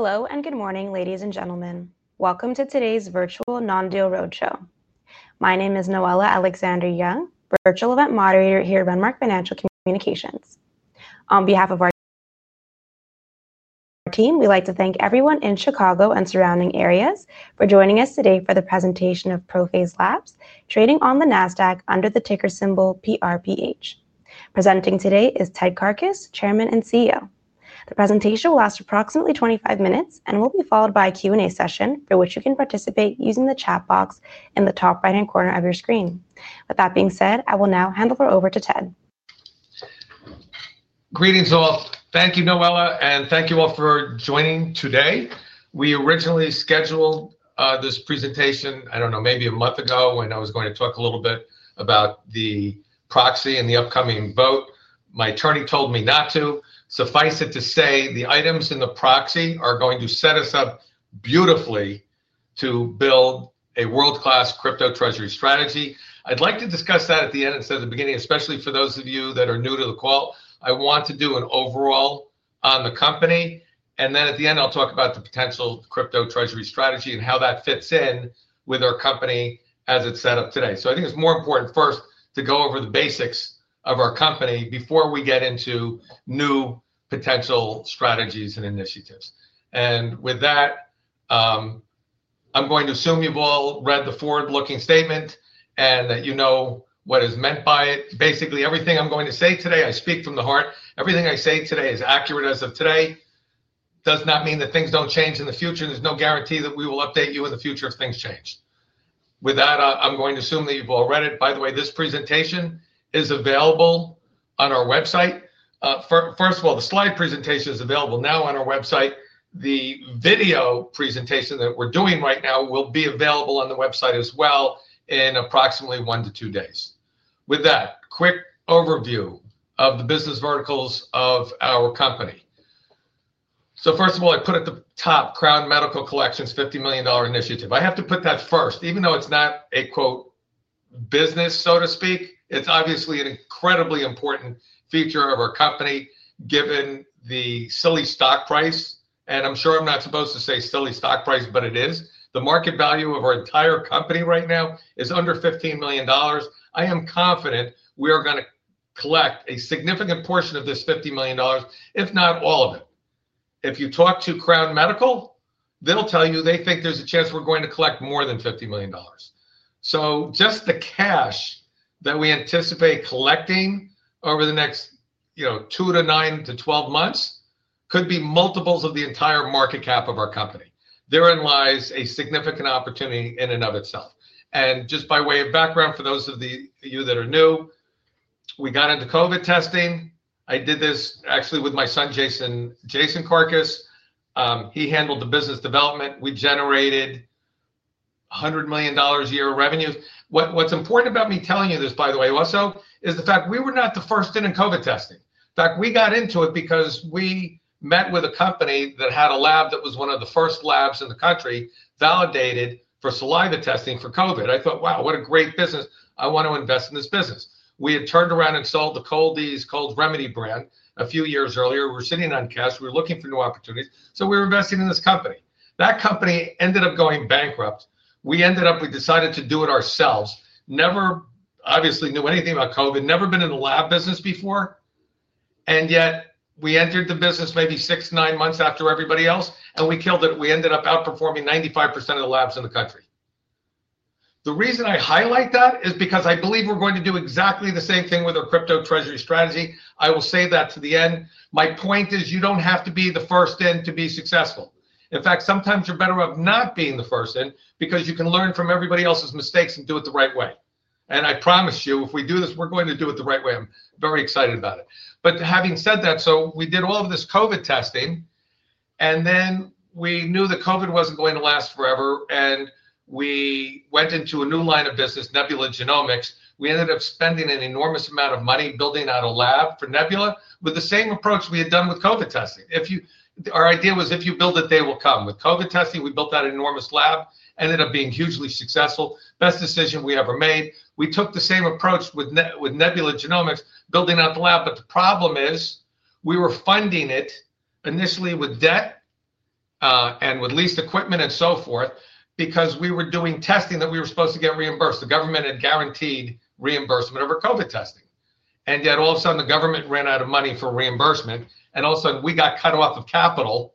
Hello, and good morning, ladies and gentlemen. Welcome to today's virtual non deal roadshow. My name is Noella Alexander Young, virtual event moderator here at Renmark Presenting today is Ted Carcas, Chairman and CEO. The presentation will last approximately twenty five minutes and will be followed by a q and a session, for which you can participate using the chat box in the top right hand corner of your screen. With that being said, I will now hand over over to Ted. Greetings all. Thank you, Noella, and thank you all for joining today. We originally scheduled, this presentation, I don't know, maybe a month ago when I was going to talk a little bit about the proxy and the upcoming vote. My attorney told me not to. Suffice it to say, the items in the proxy are going to set us up beautifully to build a world class crypto treasury strategy. I'd like to discuss that at the end. It said at the beginning, especially for those of you that are new to the call. I want to do an overall on the company. And then at the end, I'll talk about the potential crypto treasury strategy and how that fits in with our company as it's set up today. So I think it's more important first to go over the basics of our company before we get into new potential strategies and initiatives. And with that, I'm going to assume you've all read the forward looking statement and that you know what is meant by it. Basically, everything I'm going to say today, I speak from the heart. Everything I say today is accurate as of today. Does not mean that things don't change in the future. There's no guarantee that we will update you in the future if things change. With that, I'm going to assume that you've all read it. By the way, this presentation is available on our website. First of all, the slide presentation is available now on our website. The video presentation that we're doing right now will be available on the website as well in approximately one to two days. With that, quick overview of the business verticals of our company. So first of all, I put at the top Crown Medical Collections $50,000,000 initiative. I have to put that first. Even though it's not a, quote, business, so to speak, it's obviously an incredibly important feature of our company given the silly stock price. And I'm sure I'm not supposed to say silly stock price, but it is. The market value of our entire company right now is under $15,000,000. I am confident we are gonna collect a significant portion of this $50,000,000, if not all of it. If you talk to Crown Medical, they'll tell you they think there's a chance we're going to collect more than $50,000,000. So just the cash that we anticipate collecting over the next, you know, two to nine to twelve months could be multiples of the entire market cap of our company. Therein lies a significant opportunity in and of itself. And just by way of background, for those of the you that are new, we got into COVID testing. I did this actually with my son, Jason Jason Carcas. He handled the business development. We generated a $100,000,000 a year of revenue. What what's important about me telling you this, by the way, also, is the fact we were not the first in in COVID testing. In fact, we got into it because we met with a company that had a lab that was one of the first labs in the country validated for saliva testing for COVID. I thought, wow. What a great business. I wanna invest in this business. We had turned around and sold the coldies, cold remedy brand a few years earlier. We're sitting on cash. We're looking for new opportunities. So we're investing in this company. That company ended up going bankrupt. We ended up we decided to do it ourselves. Never obviously knew anything about COVID. Never been in the lab business before, and yet we entered the business maybe six, nine months after everybody else, and we killed it. We ended up outperforming 95% of the labs in the country. The reason I highlight that is because I believe we're going to do exactly the same thing with our crypto treasury strategy. I will say that to the end. My point is you don't have to be the first in to be successful. In fact, sometimes you're better off not being the first in because you can learn from everybody else's mistakes and do it the right way. And I promise you, if we do this, we're going to do it the right way. I'm very excited about it. But having said that, so we did all of this COVID testing, and then we knew that COVID wasn't going to last forever, and we went into a new line of business, Nebula Genomics. We ended up spending an enormous amount of money building out a lab for Nebula with the same approach we had done with COVID testing. If you our idea was if you build it, they will come. With COVID testing, we built that enormous lab, ended up being hugely successful. Best decision we ever made. We took the same approach with with Nebula Genomics, building out the lab, but the problem is we were funding it initially with debt and with leased equipment and so forth because we were doing testing that we were supposed to get reimbursed. The government had guaranteed reimbursement over COVID testing. And then all of sudden, the government ran out of money for reimbursement, and all of sudden, we got cut off of capital.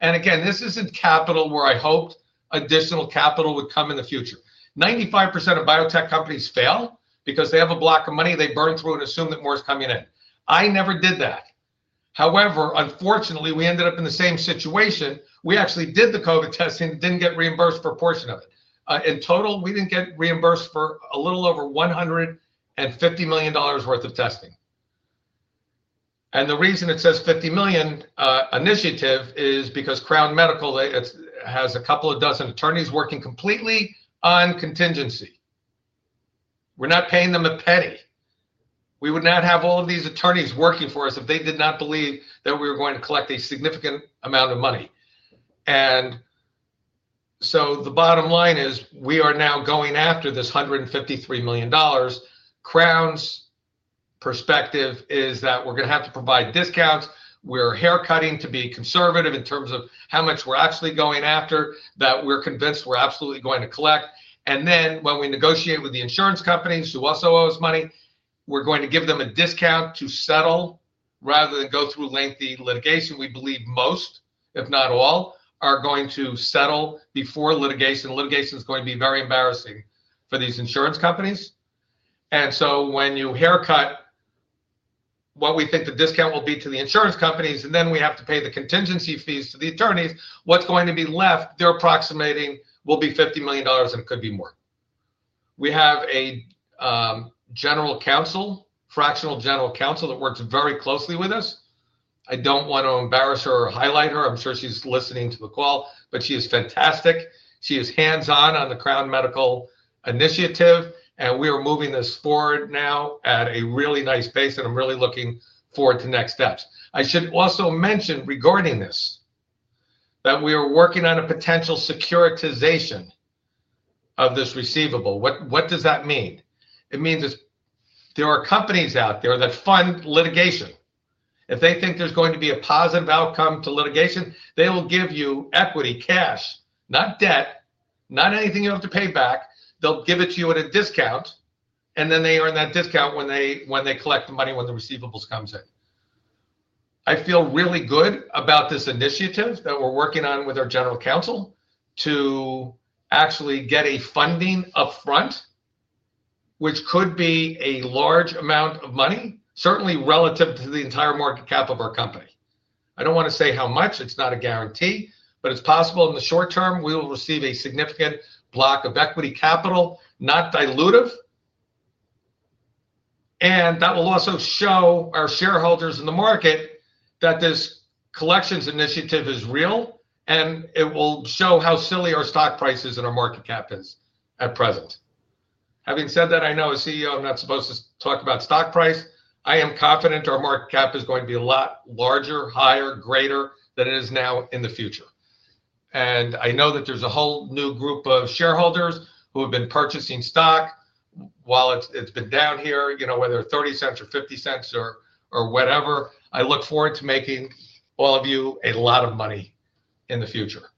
And, again, this isn't capital where I hoped additional capital would come in the future. 95 percent of biotech companies fail because they have a block of money they burn through and assume that more is coming in. I never did that. However, unfortunately, we ended up in the same situation. We actually did the COVID testing, didn't get reimbursed for a portion of it. In total, we didn't get reimbursed for a little over $150,000,000 worth of testing. And the reason it says 50,000,000, initiative is because Crown Medical, they it's has a couple of dozen attorneys working completely on contingency. We're not paying them a penny. We would not have all of these attorneys working for us if they did not believe that we were going to collect a significant amount of money. And so the bottom line is we are now going after this $153,000,000. Crown's perspective is that we're gonna have to provide discounts. We're hair cutting to be conservative in terms of how much we're actually going after that we're convinced we're absolutely going to collect. And then when we negotiate with the insurance companies who also owes money, we're going to give them a discount to settle rather than go through lengthy litigation. We believe most, if not all, are going to settle before litigation. Litigation is going to be very embarrassing for these insurance companies. And so when you haircut what we think the discount will be to the insurance companies, and then we have to pay the contingency fees to the attorneys, what's going to be left, they're approximating, will be $50,000,000 and could be more. We have a general counsel, fractional general counsel that works very closely with us. I don't want to embarrass her or highlight her. I'm sure she's listening to the call, but she is fantastic. She is hands on on the Crown Medical initiative, and we are moving this forward now at a really nice pace, and I'm really looking forward to next steps. I should also mention regarding this that we are working on a potential securitization of this receivable. What what does that mean? It means there's there are companies out there that fund litigation. If they think there's going to be a positive outcome to litigation, they will give you equity, cash, not debt, not anything you have to pay back. They'll give it to you at a discount, and then they earn that discount when they when they collect the money when the receivables comes in. I feel really good about this initiative that we're working on with our general counsel to actually get a funding upfront, which could be a large amount of money, certainly relative to the entire market cap of our company. I don't wanna say how much. It's not a guarantee, but it's possible in the short term, we will receive a significant block of equity capital, not dilutive. And that will also show our shareholders in the market that this collections initiative is real, and it will show how silly our stock prices and our market cap is at present. Having said that, I know as CEO, I'm not supposed to talk about stock price. I am confident our market cap is going to be a lot larger, higher, greater than it is now in the future. And I know that there's a whole new group of shareholders who have been purchasing stock while it's it's been down here, you know, whether 30¢ or 50¢ or or whatever. I look forward to making all of you a lot of money in the future.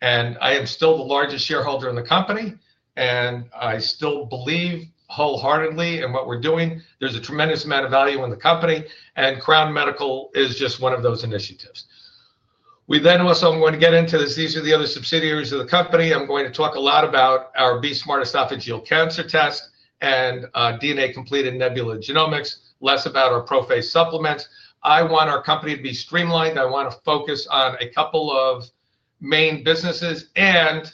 And I am still the largest shareholder in the company, and I still believe wholeheartedly in what we're doing. There's a tremendous amount of value in the company, and Crown Medical is just one of those initiatives. We then also want to get into this. These are the other subsidiaries of the company. I'm going to talk a lot about our b smart esophageal cancer test and DNA completed nebula genomics, less about our pro phase supplements. I want our company to be streamlined. I wanna focus on a couple of main businesses and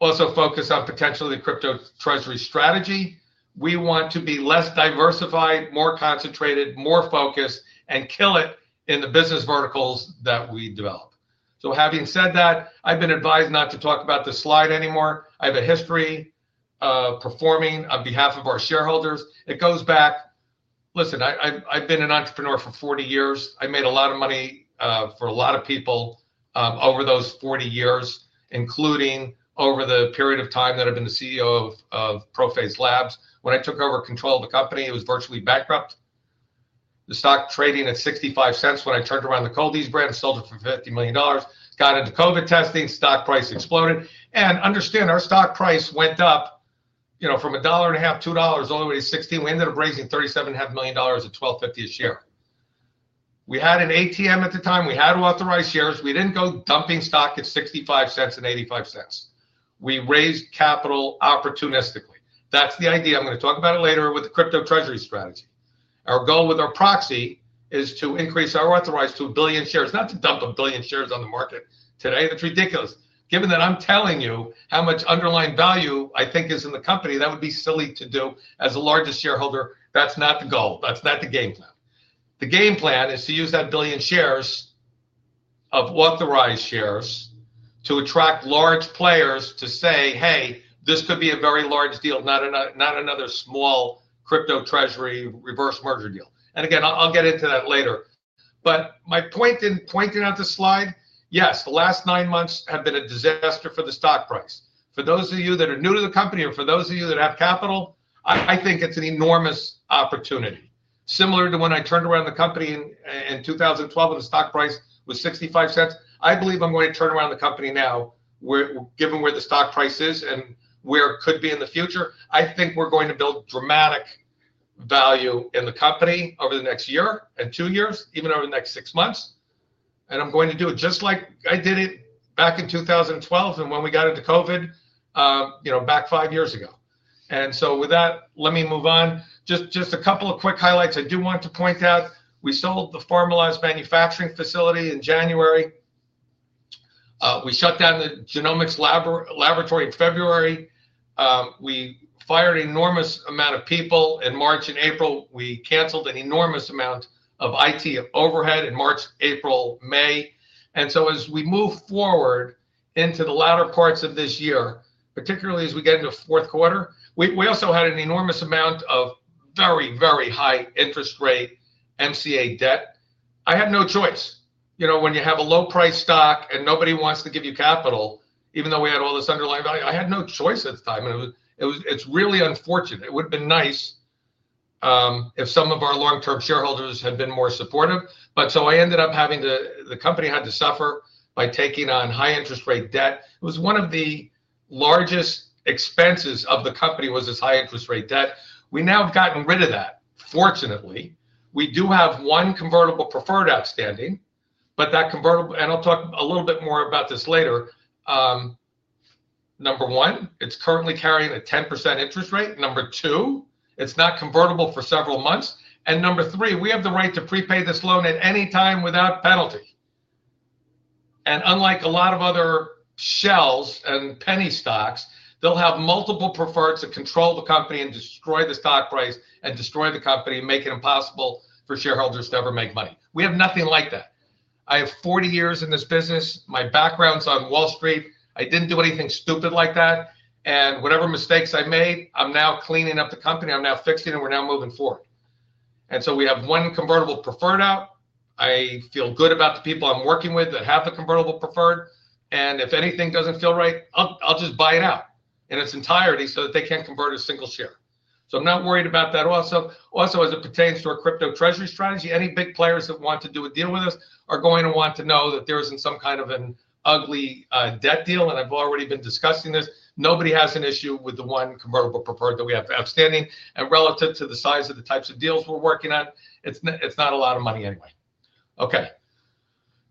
also focus on potentially crypto treasury strategy. We want to be less diversified, more concentrated, more focused, and kill it in the business verticals that we develop. So having said that, I've been advised not to talk about this slide anymore. I have a history of performing on behalf of our shareholders. It goes back listen. I I've I've been an entrepreneur for forty years. I made a lot of money for a lot of people over those forty years, over the period of time that I've been the CEO of of Prophase Labs. When I took over control of the company, it was virtually bankrupt. The stock trading at 65¢ when I turned around the Kaldi's brand and sold it for $50,000,000. Got into COVID testing, stock price exploded. And understand our stock price went up, you know, from a dollar and a half, $2, all the way to 60. We ended up raising 37 and a half million dollars at $12.50 a share. We had an ATM at the time. We had to authorize shares. We didn't go dumping stock at 65¢ and 85¢. We raised capital opportunistically. That's the idea. I'm gonna talk about it later with the crypto treasury strategy. Our goal with our proxy is to increase our authorized to a billion shares, not to dump a billion shares on the market today. That's ridiculous. Given that I'm telling you how much underlying value I think is in the company, that would be silly to do as a largest shareholder. That's not the goal. That's not the game plan. The game plan is to use that billion shares of authorized shares to attract large players to say, hey. This could be a very large deal, not in a not another small crypto treasury reverse merger deal. And, again, I'll I'll get into that later. But my point in pointing at the slide, yes, the last nine months have been a disaster for the stock price. For those of you that are new to the company or for those of you that have capital, I I think it's an enormous opportunity. Similar to when I turned around the company in in 2012 and the stock price was 65¢. I believe I'm going to turn around the company now where given where the stock price is and where it could be in the future. I think we're going to build dramatic value in the company over the next year and two years, even over the next six months. And I'm going to do it just like I did it back in 2012 and when we got into COVID, you know, back five years ago. And so with that, let me move on. Just just a couple of quick highlights. I do want to point out, we sold the formalized manufacturing facility in January. We shut down the genomics lab laboratory in February. We fired enormous amount of people in March and April. We canceled an enormous amount of IT overhead in March, April, May. And so as we move forward into the latter parts of this year, particularly as we get into fourth quarter, we we also had an enormous amount of very, very high interest rate MCA debt. I had no choice. You know, when you have a low priced stock and nobody wants to give you capital, even though we had all this underlying value, I had no choice at the time. It was it was it's really unfortunate. It would've been nice if some of our long term shareholders had been more supportive. But I ended up having the the company had to suffer by taking on high interest rate debt. It was one of the largest expenses of the company was this high interest rate debt. We now have gotten rid of that, fortunately. We do have one convertible preferred outstanding, but that convertible and I'll talk a little bit more about this later. Number one, it's currently carrying a 10% interest rate. Number two, it's not convertible for several months. And number three, we have the right to prepay this loan at any time without penalty. And unlike a lot of other shells and penny stocks, they'll have multiple preferreds to control the company and destroy the stock price destroy the company, make it impossible for shareholders to ever make money. We have nothing like that. I have forty years in this business. My background's on Wall Street. I didn't do anything stupid like that. And whatever mistakes I made, I'm now cleaning up the company. I'm now fixing it. We're now moving forward. And so we have one convertible preferred out. I feel good about the people I'm working with that have the convertible preferred. And if anything doesn't feel right, I'll I'll just buy it out in its entirety so that they can't convert a single share. So I'm not worried about that. Also also as it pertains to our crypto treasury strategy, any big players that want to do a deal with us are going to want to know that there isn't some kind of an ugly debt deal, and I've already been discussing this. Nobody has an issue with the one convertible preferred that we have outstanding. And relative to the size of the types of deals we're working at, it's it's not a lot of money anyway. Okay.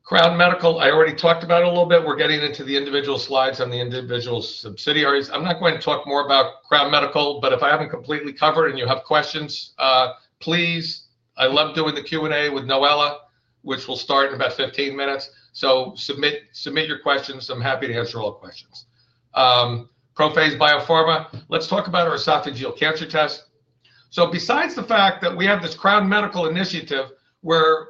Crown Medical, I already talked about it a little bit. We're getting into the individual slides on the individual subsidiaries. I'm not going to talk more about Crown Medical, but if I haven't completely covered and you have questions, please I love doing the q and a with Noella, which will start in about fifteen minutes. So submit submit your questions. I'm happy to answer all questions. Prophase Biopharma. Let's talk about our esophageal cancer test. So besides the fact that we have this Crown Medical initiative where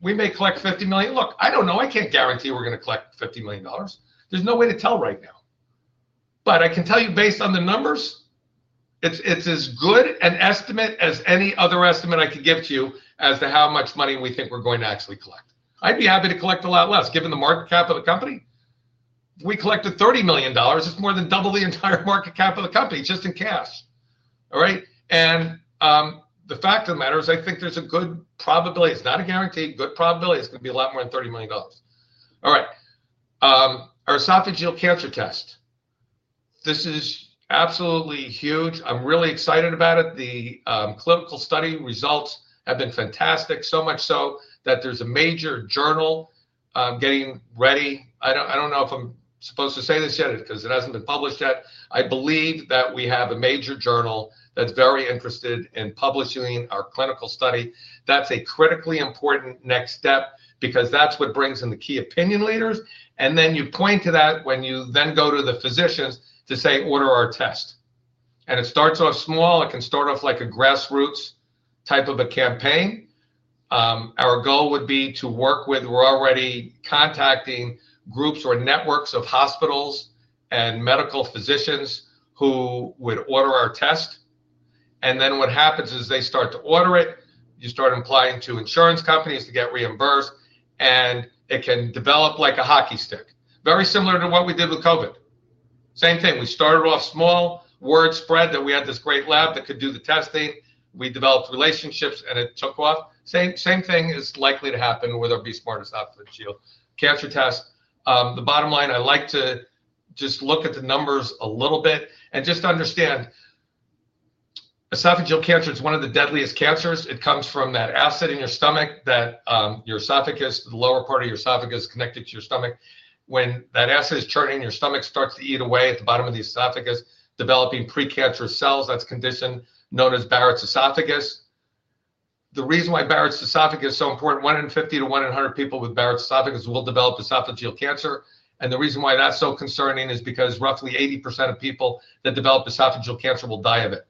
we may collect 50,000,000 look. I don't know. I can't guarantee we're gonna collect $50,000,000. There's no way to tell right now. But I can tell you based on the numbers, it's it's as good an estimate as any other estimate I could give to you as to how much money we think we're going to actually collect. I'd be happy to collect a lot less given the market cap of the company. We collected $30,000,000. It's more than double the entire market cap of the company just in cash. Alright? And the fact of the matter is I think there's a good probability. It's not a guarantee, but probability it's gonna be a lot more than $30,000,000. Alright. Our esophageal cancer test. This is absolutely huge. I'm really excited about it. The clinical study results have been fantastic, so much so that there's a major journal getting ready. I don't I don't know if I'm supposed to say this yet because it hasn't been published yet. I believe that we have a major journal that's very interested in publishing our clinical study. That's a critically important next step because that's what brings in the key opinion leaders, and then you point to that when you then go to the physicians to say order our test. And it starts off small. It can start off like a grassroots type of a campaign. Our goal would be to work with we're already contacting groups or networks of hospitals and medical physicians who would order our test. And then what happens is they start to order it, you start applying to insurance companies to get reimbursed, and it can develop like a hockey stick. Very similar to what we did with COVID. Same thing. We started off small. Word spread that we had this great lab that could do the testing. We developed relationships, and it took off. Same same thing is likely to happen with our B. S. Partisophageal cancer test. The bottom line, like to just look at the numbers a little bit and just understand, esophageal cancer is one of the deadliest cancers. It comes from that acid in your stomach that your esophagus, the lower part of your esophagus connected to your stomach. When that acid is churning, your stomach starts to eat away at the bottom of the esophagus, developing precancerous cells. That's a condition known as Barrett's esophagus. The reason why Barrett's Esophagus is so important, one in fifty to one in one hundred people with Barrett's Esophagus will develop esophageal cancer. And the reason why that's so concerning is because roughly eighty percent of people that develop esophageal cancer will die of it.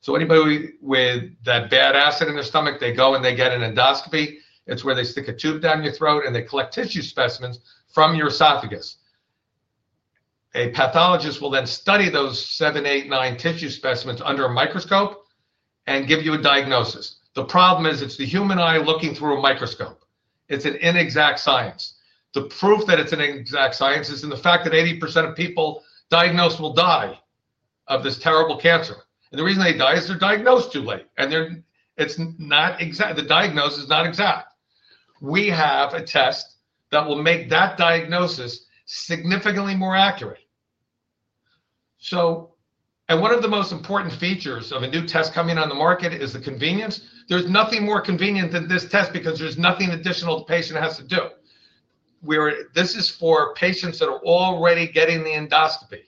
So anybody with that bad acid in their stomach, they go and they get an endoscopy. It's where they stick a tube down your throat and they collect tissue specimens from your esophagus. A pathologist will then study those seven, eight, nine tissue specimens under a microscope and give you a diagnosis. The problem is it's the human eye looking through a microscope. It's an inexact science. The proof that it's an inexact science is in the fact that eighty percent of people diagnosed will die of this terrible cancer. And the reason they die is they're diagnosed too late, and they're it's not exact the diagnosis is not exact. We have a test that will make that diagnosis significantly more accurate. So and one of the most important features of a new test coming on the market is the convenience. There's nothing more convenient than this test because there's nothing additional the patient has to do. We're this is for patients that are already getting the endoscopy.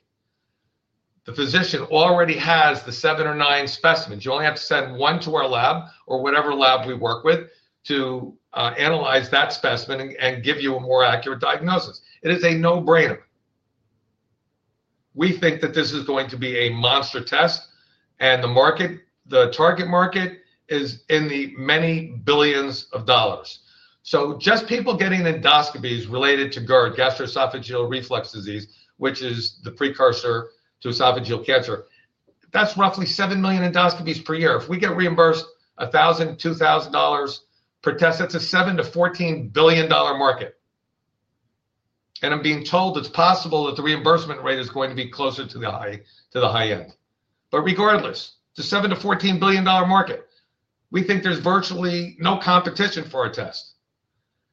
The physician already has the seven or nine specimens. You only have to send one to our lab or whatever lab we work with to analyze that specimen and give you a more accurate diagnosis. It is a no brainer. We think that this is going to be a monster test and the market the target market is in the many billions of dollars. So just people getting endoscopies related to GERD, gastroesophageal reflux disease, which is the precursor to esophageal cancer, that's roughly seven million endoscopies per year. If we get reimbursed $1,000 $2,000 per test, that's a $7 to $14,000,000,000 market. And I'm being told it's possible that the reimbursement rate is going to be closer the high end. But regardless, the 7 to $14,000,000,000 market, we think there's virtually no competition for a test.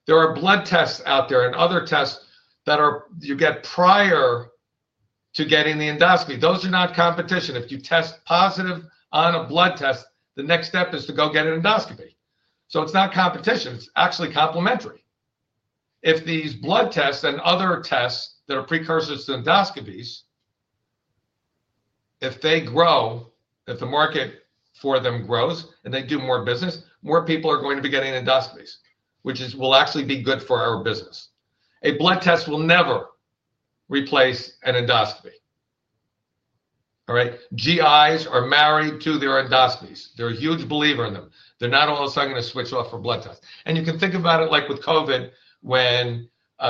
There are blood tests out there and other tests that are you get prior to getting the endoscopy. Those are not competition. If you test positive on a blood test, the next step is to go get an endoscopy. So it's not competition. It's actually complementary. If these blood tests and other tests that are precursors to endoscopies, if they grow if the market for them grows and they do more business, more people are going to be getting endoscopies, which is will actually be good for our business. A blood test will never replace an endoscopy. Alright? GIs are married to their endoscopies. They're a huge believer in them. They're not all of a sudden gonna switch off for blood tests. And you can think about it like with COVID when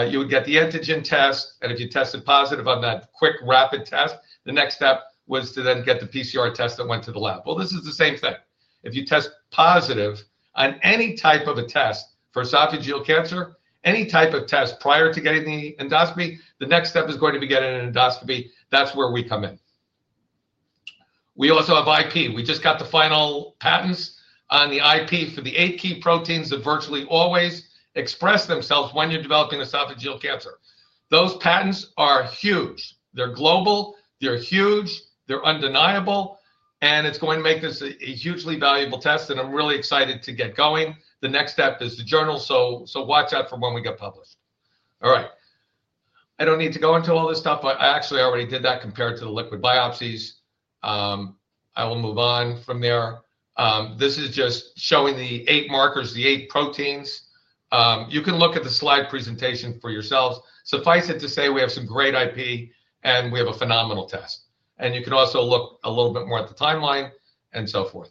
you would get the antigen test, and if you tested positive on that quick rapid test, the next step was to then get the PCR test that went to the lab. Well, this is the same thing. If you test positive on any type of a test for esophageal cancer, any type of test prior to getting the endoscopy, the next step is going to be getting an endoscopy. That's where we come in. We also have IP. We just got the final patents on the IP for the eight key proteins that virtually always express themselves when you're developing esophageal cancer. Those patents are huge. They're global. They're huge. They're undeniable, and it's going to make this a a hugely valuable test, and I'm really excited to get going. The next step is the journal, so so watch out for when we get published. Alright. I don't need to go into all this stuff, but I actually already did that compared to the liquid biopsies. I will move on from there. This is just showing the eight markers, the eight proteins. You can look at the slide presentation for yourselves. Suffice it to say we have some great IP and we have a phenomenal test. And you can also look a little bit more at the timeline and so forth.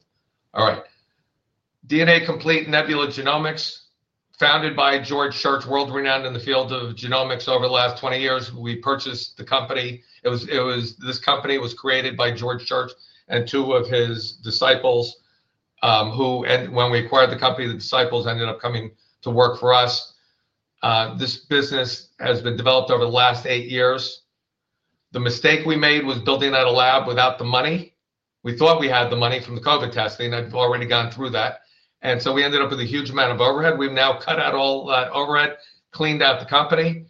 Alright. DNA complete Nebula Genomics founded by George Church, world renowned in the field of genomics over the last twenty years. We purchased the company. It was it was this company was created by George Church and two of his disciples who and when we acquired the company, the disciples ended up coming to work for us. This business has been developed over the last eight years. The mistake we made was building out a lab without the money. We thought we had the money from the COVID testing. I've already gone through that. And so we ended up with a huge amount of overhead. We've now cut out all that overhead, cleaned out the company.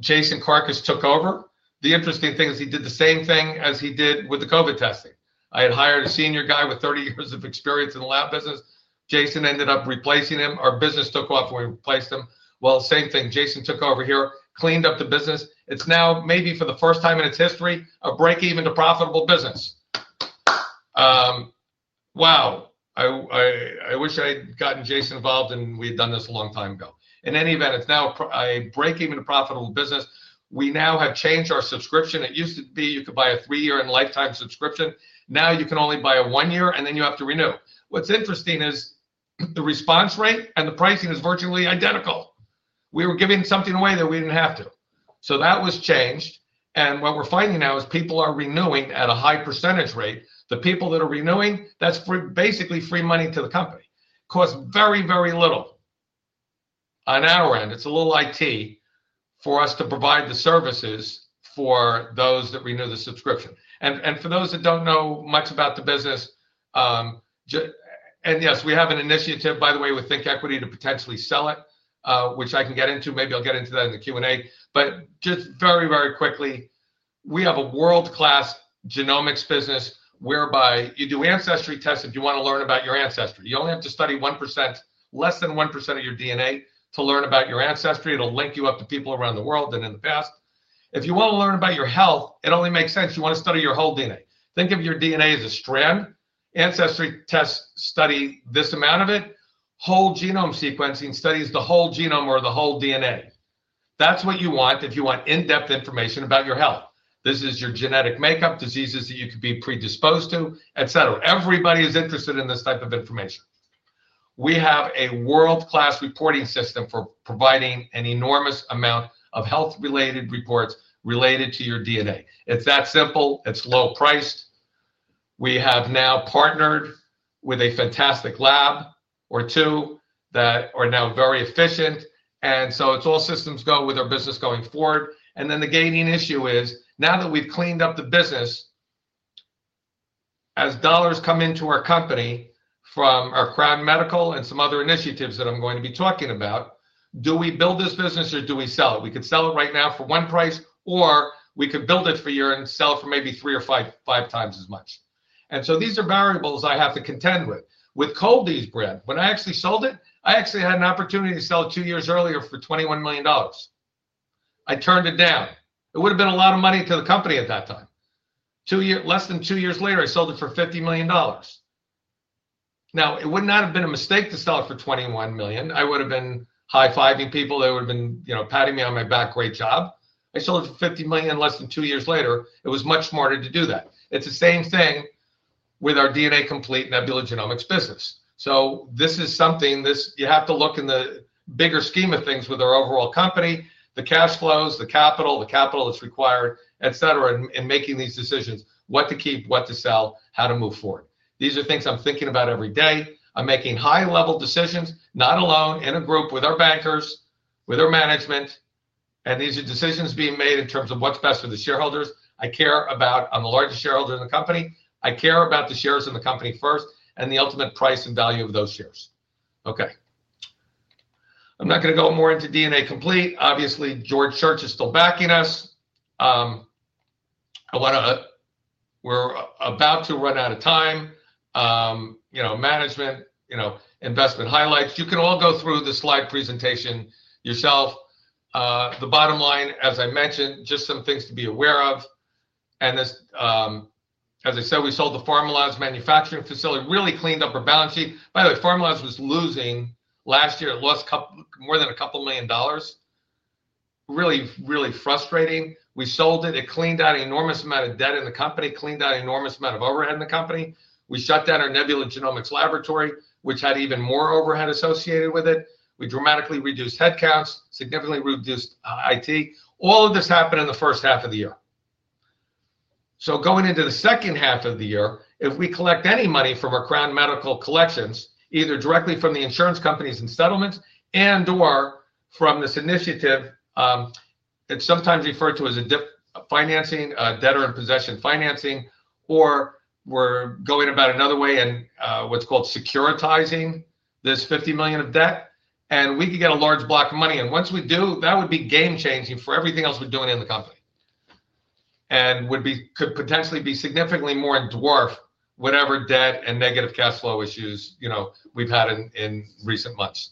Jason Clark has took over. The interesting thing is he did the same thing as he did with the COVID testing. I had hired a senior guy with thirty years of experience in the lab business. Jason ended up replacing him. Our business took off when we replaced him. Well, same thing. Jason took over here, cleaned up the business. It's now maybe for the first time in its history, a breakeven to profitable business. Wow. I I I wish I had gotten Jason involved and we've done this a long time ago. In any event, it's now a breakeven to profitable business. We now have changed our subscription. It used to be you could buy a three year and lifetime subscription. Now you can only buy a one year, and then you have to renew. What's interesting is the response rate and the pricing is virtually identical. We were giving something away that we didn't have to. So that was changed, and what we're finding now is people are renewing at a high percentage rate. The people that are renewing, that's basically free money to the company. It costs very, very little on our end. It's a little IT for us to provide the services for those that renew the subscription. And and for those that don't know much about the business and, yes, we have an initiative, by the way, with ThinkEquity to potentially sell it, which I can get into. Maybe I'll get into that in the q and a. But just very, very quickly, we have a world class genomics business whereby you do ancestry tests if you wanna learn about your ancestry. You only have to study 1%, less than 1% of your DNA to learn about your ancestry. It'll link you up to people around the world than in the past. If you wanna learn about your health, it only makes sense. You wanna study your whole DNA. Think of your DNA as a strand. Ancestry tests study this amount of it. Whole genome sequencing studies the whole genome or the whole DNA. That's what you want if you want in-depth information about your health. This is your genetic makeup, diseases that you could be predisposed to, etcetera. Everybody is interested in this type of information. We have a world class reporting system for providing an enormous amount of health related reports related to your DNA. It's that simple. It's low priced. We have now partnered with a fantastic lab or two that are now very efficient, and so it's all systems go with our business going forward. And then the gaining issue is now that we've cleaned up the business, as dollars come into our company from our Crown Medical and some other initiatives that I'm going to be talking about, do we build this business or do we sell it? We could sell it right now for one price, or we could build it for a year and sell for maybe three or five five times as much. And so these are variables I have to contend with. With Colby's brand, when I actually sold it, I actually had an opportunity to sell it two years earlier for $21,000,000. I turned it down. It would have been a lot of money to the company at that time. Two year less than two years later, I sold it for $50,000,000. Now it would not have been a mistake to sell it for 21,000,000. I would have been high fiving people. They would have been, you know, patting me on my back. Great job. I sold it for 50,000,000 less than two years later. It was much smarter to do that. It's the same thing with our DNA complete Nebula Genomics business. So this is something this you have to look in the bigger scheme of things with our overall company, the cash flows, the capital, the capital that's required, etcetera, in in making these decisions, what to keep, what to sell, how to move forward. These are things I'm thinking about every day. I'm making high level decisions, not alone in a group with our bankers, with our management, and these are decisions being made in terms of what's best for the shareholders. I care about I'm the largest shareholder in the company. I care about the shares in the company first and the ultimate price and value of those shares. Okay. I'm not gonna go more into DNA complete. Obviously, George Church is still backing us. I wanna we're about to run out of time. You know, management, you know, investment highlights. You can all go through the slide presentation yourself. The bottom line, as I mentioned, just some things to be aware of. And this as I said, we sold the Farmilaz manufacturing facility. Really cleaned up our balance sheet. By the way, Farmilaz was losing last year. It lost cup more than a couple million dollars. Really, really frustrating. We sold it. It cleaned out enormous amount of debt in the company, cleaned out enormous amount of overhead in the company. We shut down our Nebula Genomics Laboratory, which had even more overhead associated with it. We dramatically reduced head counts, significantly reduced IT. All of this happened in the first half of the year. So going into the second half of the year, if we collect any money from our Crown Medical collections, directly from the insurance companies and settlements and or from this initiative. It's sometimes referred to as a dip a financing, a debtor in possession financing, or we're going about another way and what's called securitizing this 50,000,000 of debt, and we could get a large block of money. And once we do, that would be game changing for everything else we're doing in the company and would be could potentially be significantly more in dwarf whatever debt and negative cash flow issues, you know, we've had in in recent months.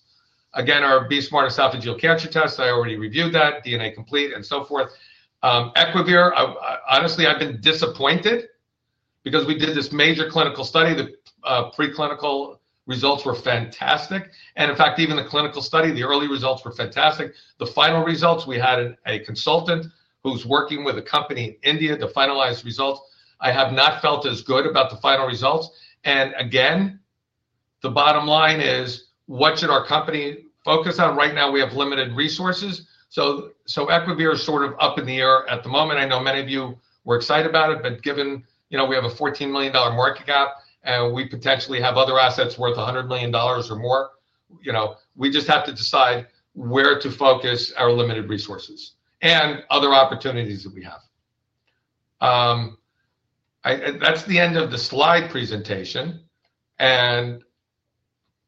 Again, our b smart esophageal cancer test, I already reviewed that, DNA complete and so forth. Equivir, honestly, I've been disappointed because we did this major clinical study. The preclinical results were fantastic. And in fact, even the clinical study, the early results were fantastic. The final results, we had a consultant who's working with a company in India to finalize results. I have not felt as good about the final results. And, again, the bottom line is what should our company focus on? Right now, we have limited resources. So so Equivir is sort of up in the air at the moment. I know many of you were excited about it, but given, you know, we have a $14,000,000 market cap and we potentially have other assets worth a $100,000,000 or more, you know, we just have to decide where to focus our limited resources and other opportunities that we have. I that's the end of the slide presentation. And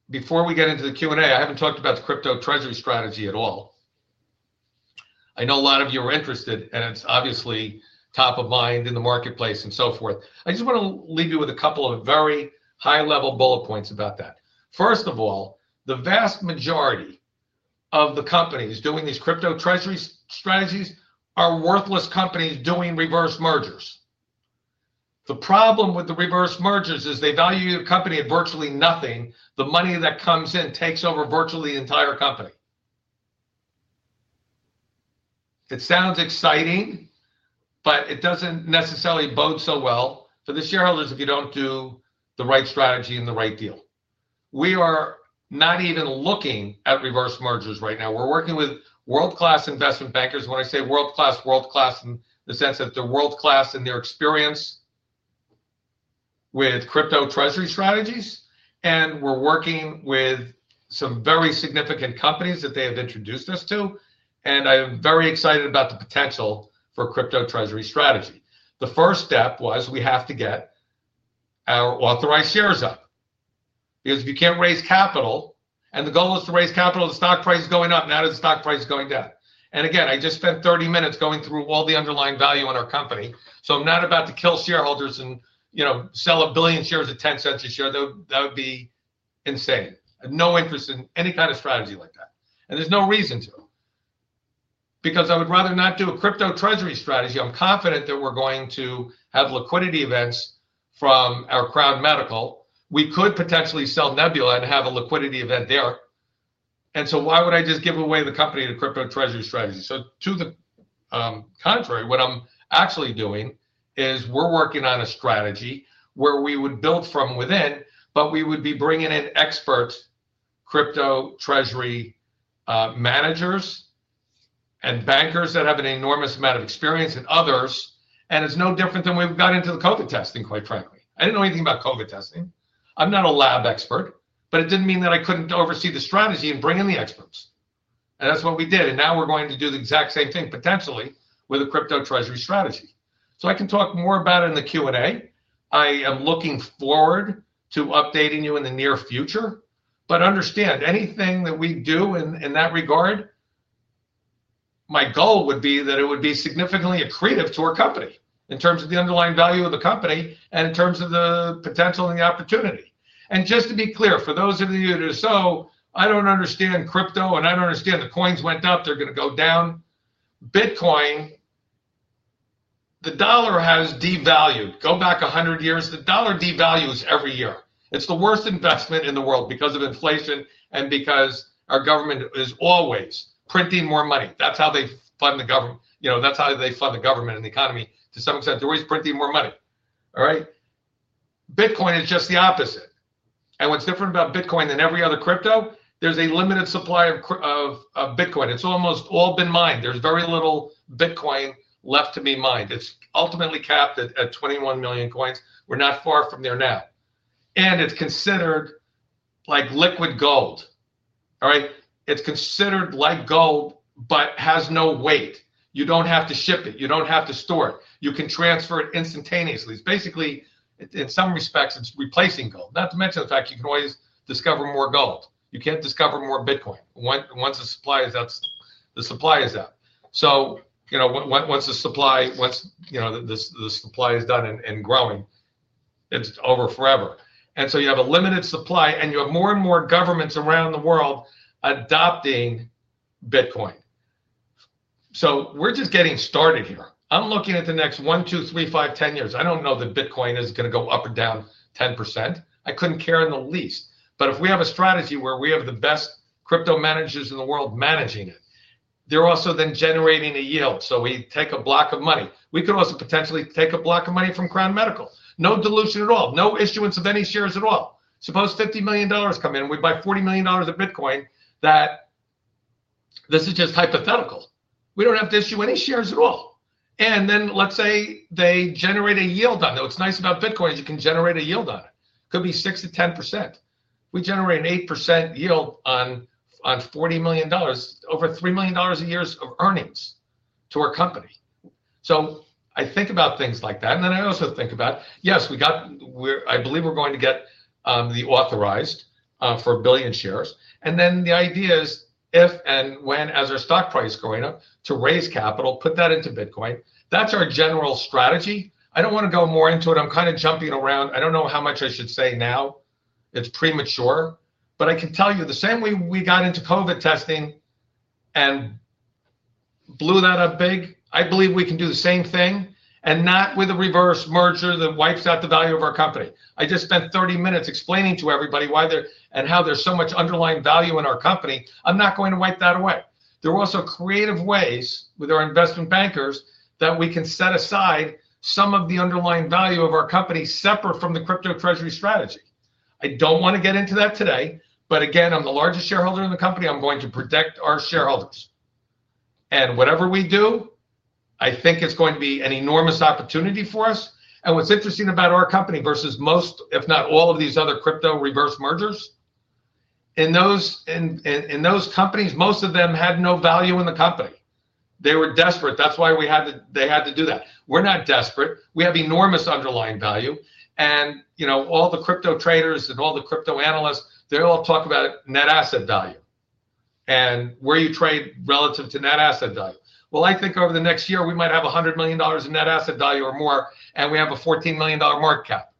before we get into the q and a, I haven't talked about the crypto treasury strategy at all. I know a lot of you are interested, and it's obviously top of mind in the marketplace and so forth. I just wanna leave you with a couple of very high level bullet points about that. First of all, the vast majority of the companies doing these crypto treasuries strategies are worthless companies doing reverse mergers. The problem with the reverse mergers is they value your company at virtually nothing. The money that comes in takes over virtually the entire company. It sounds exciting, but it doesn't necessarily bode so well for the shareholders if you don't do the right strategy and the right deal. We are not even looking at reverse mergers right now. We're working with world class investment bankers. When I say world class world class in the sense that they're world class in their experience with crypto treasury strategies, and we're working with some very significant companies that they have introduced us to. And I'm very excited about the potential for crypto treasury strategy. The first step was we have to get our authorized shares up. Because if you can't raise capital, and the goal is to raise capital, the stock price is going up, now the stock price is going down. And, again, I just spent thirty minutes going through all the underlying value on our company. So I'm not about to kill shareholders and, you know, sell a billion shares of 10¢ a share. That that would be insane. I have no interest in any kind of strategy like that. And there's no reason to because I would rather not do a crypto treasury strategy. I'm confident that we're going to have liquidity events from our crowd medical. We could potentially sell Nebula and have a liquidity event there. And so why would I just give away the company to crypto treasury strategy? So to the contrary, what I'm actually doing is we're working on a strategy where we would build from within, but we would be bringing in experts crypto treasury managers and bankers that have an enormous amount of experience and others, and it's no different than we've gotten into the COVID testing, quite frankly. I didn't know anything about COVID testing. I'm not a lab expert, but it didn't mean that I couldn't oversee the strategy and bring in the experts. And that's what we did, and now we're going to do the exact same thing potentially with a crypto treasury strategy. So I can talk more about it in the q and a. I am looking forward to updating you in the near future. But understand, anything that we do in in that regard, my goal would be that it would be significantly accretive to our company in terms of the underlying value of the company and in terms of the potential and the opportunity. And just to be clear, for those of you that are so I don't understand crypto, and I don't understand the coins went up, they're gonna go down. Bitcoin, the dollar has devalued. Go back a hundred years. The dollar devalues every year. It's the worst investment in the world because of inflation and because our government is always printing more money. That's how they fund the government. You know, that's how they fund the government and the economy. To some extent, they're always printing more money. Alright? Bitcoin is just the opposite. And what's different about Bitcoin than every other crypto? There's a limited supply of of Bitcoin. It's almost all been mined. There's very little Bitcoin left to be mined. It's ultimately capped at at 21,000,000 coins. We're not far from there now. And it's considered like liquid gold. Alright? It's considered like gold but has no weight. You don't have to ship it. You don't have to store it. You can transfer it instantaneously. It's basically, in some respects, it's replacing gold. Not to mention the fact you can always discover more gold. You can't discover more Bitcoin. Once the supply is out the supply is out. So, you know, once the supply once, you know, the the the supply is done and and growing, it's over forever. And so you have a limited supply, and you have more and more governments around the world adopting Bitcoin. So we're just getting started here. I'm looking at the next one, two, three, five, ten years. I don't know that Bitcoin is gonna go up or down 10%. I couldn't care in the least. But if we have a strategy where we have the best crypto managers in the world managing it, they're also then generating a yield. So we take a block of money. We could also potentially take a block of money from Crown Medical. No dilution at all. No issuance of any shares at all. Suppose $50,000,000 come in, we buy $40,000,000 of Bitcoin that this is just hypothetical. We don't have to issue any shares at all. And then let's say they generate a yield on it. What's nice about Bitcoin is you can generate a yield on it. Could be six to 10%. We generate an 8% yield on on $40,000,000, over $3,000,000 a year of earnings to our company. So I think about things like that. And then I also think about, yes, we got we're I believe we're going to get the authorized for a billion shares. And then the idea is if and when as our stock price is going up to raise capital, put that into Bitcoin. That's our general strategy. I don't wanna go more into it. I'm kinda jumping around. I don't know how much I should say now. It's premature. But I can tell you the same way we got into COVID testing and blew that up big. I believe we can do the same thing and not with a reverse merger that wipes out the value of our company. I just spent thirty minutes explaining to everybody why they're and how there's so much underlying value in our company. I'm not going to wipe that away. There are also creative ways with our investment bankers that we can set aside some of the underlying value of our company separate from the crypto treasury strategy. I don't wanna get into that today, but, again, I'm the largest shareholder in the company. I'm going to protect our shareholders. And whatever we do, I think it's going to be an enormous opportunity for us. And what's interesting about our company versus most, if not all, of these other crypto reverse mergers, in those in in in those companies, most of them had no value in the company. They were desperate. That's why we had to they had to do that. We're not desperate. We have enormous underlying value. And, you know, all the crypto traders and all the crypto analysts, they all talk about net asset value and where you trade relative to net asset value. Well, I think over the next year, we might have a $100,000,000 in net asset value or more, and we have a $14,000,000 mark cap.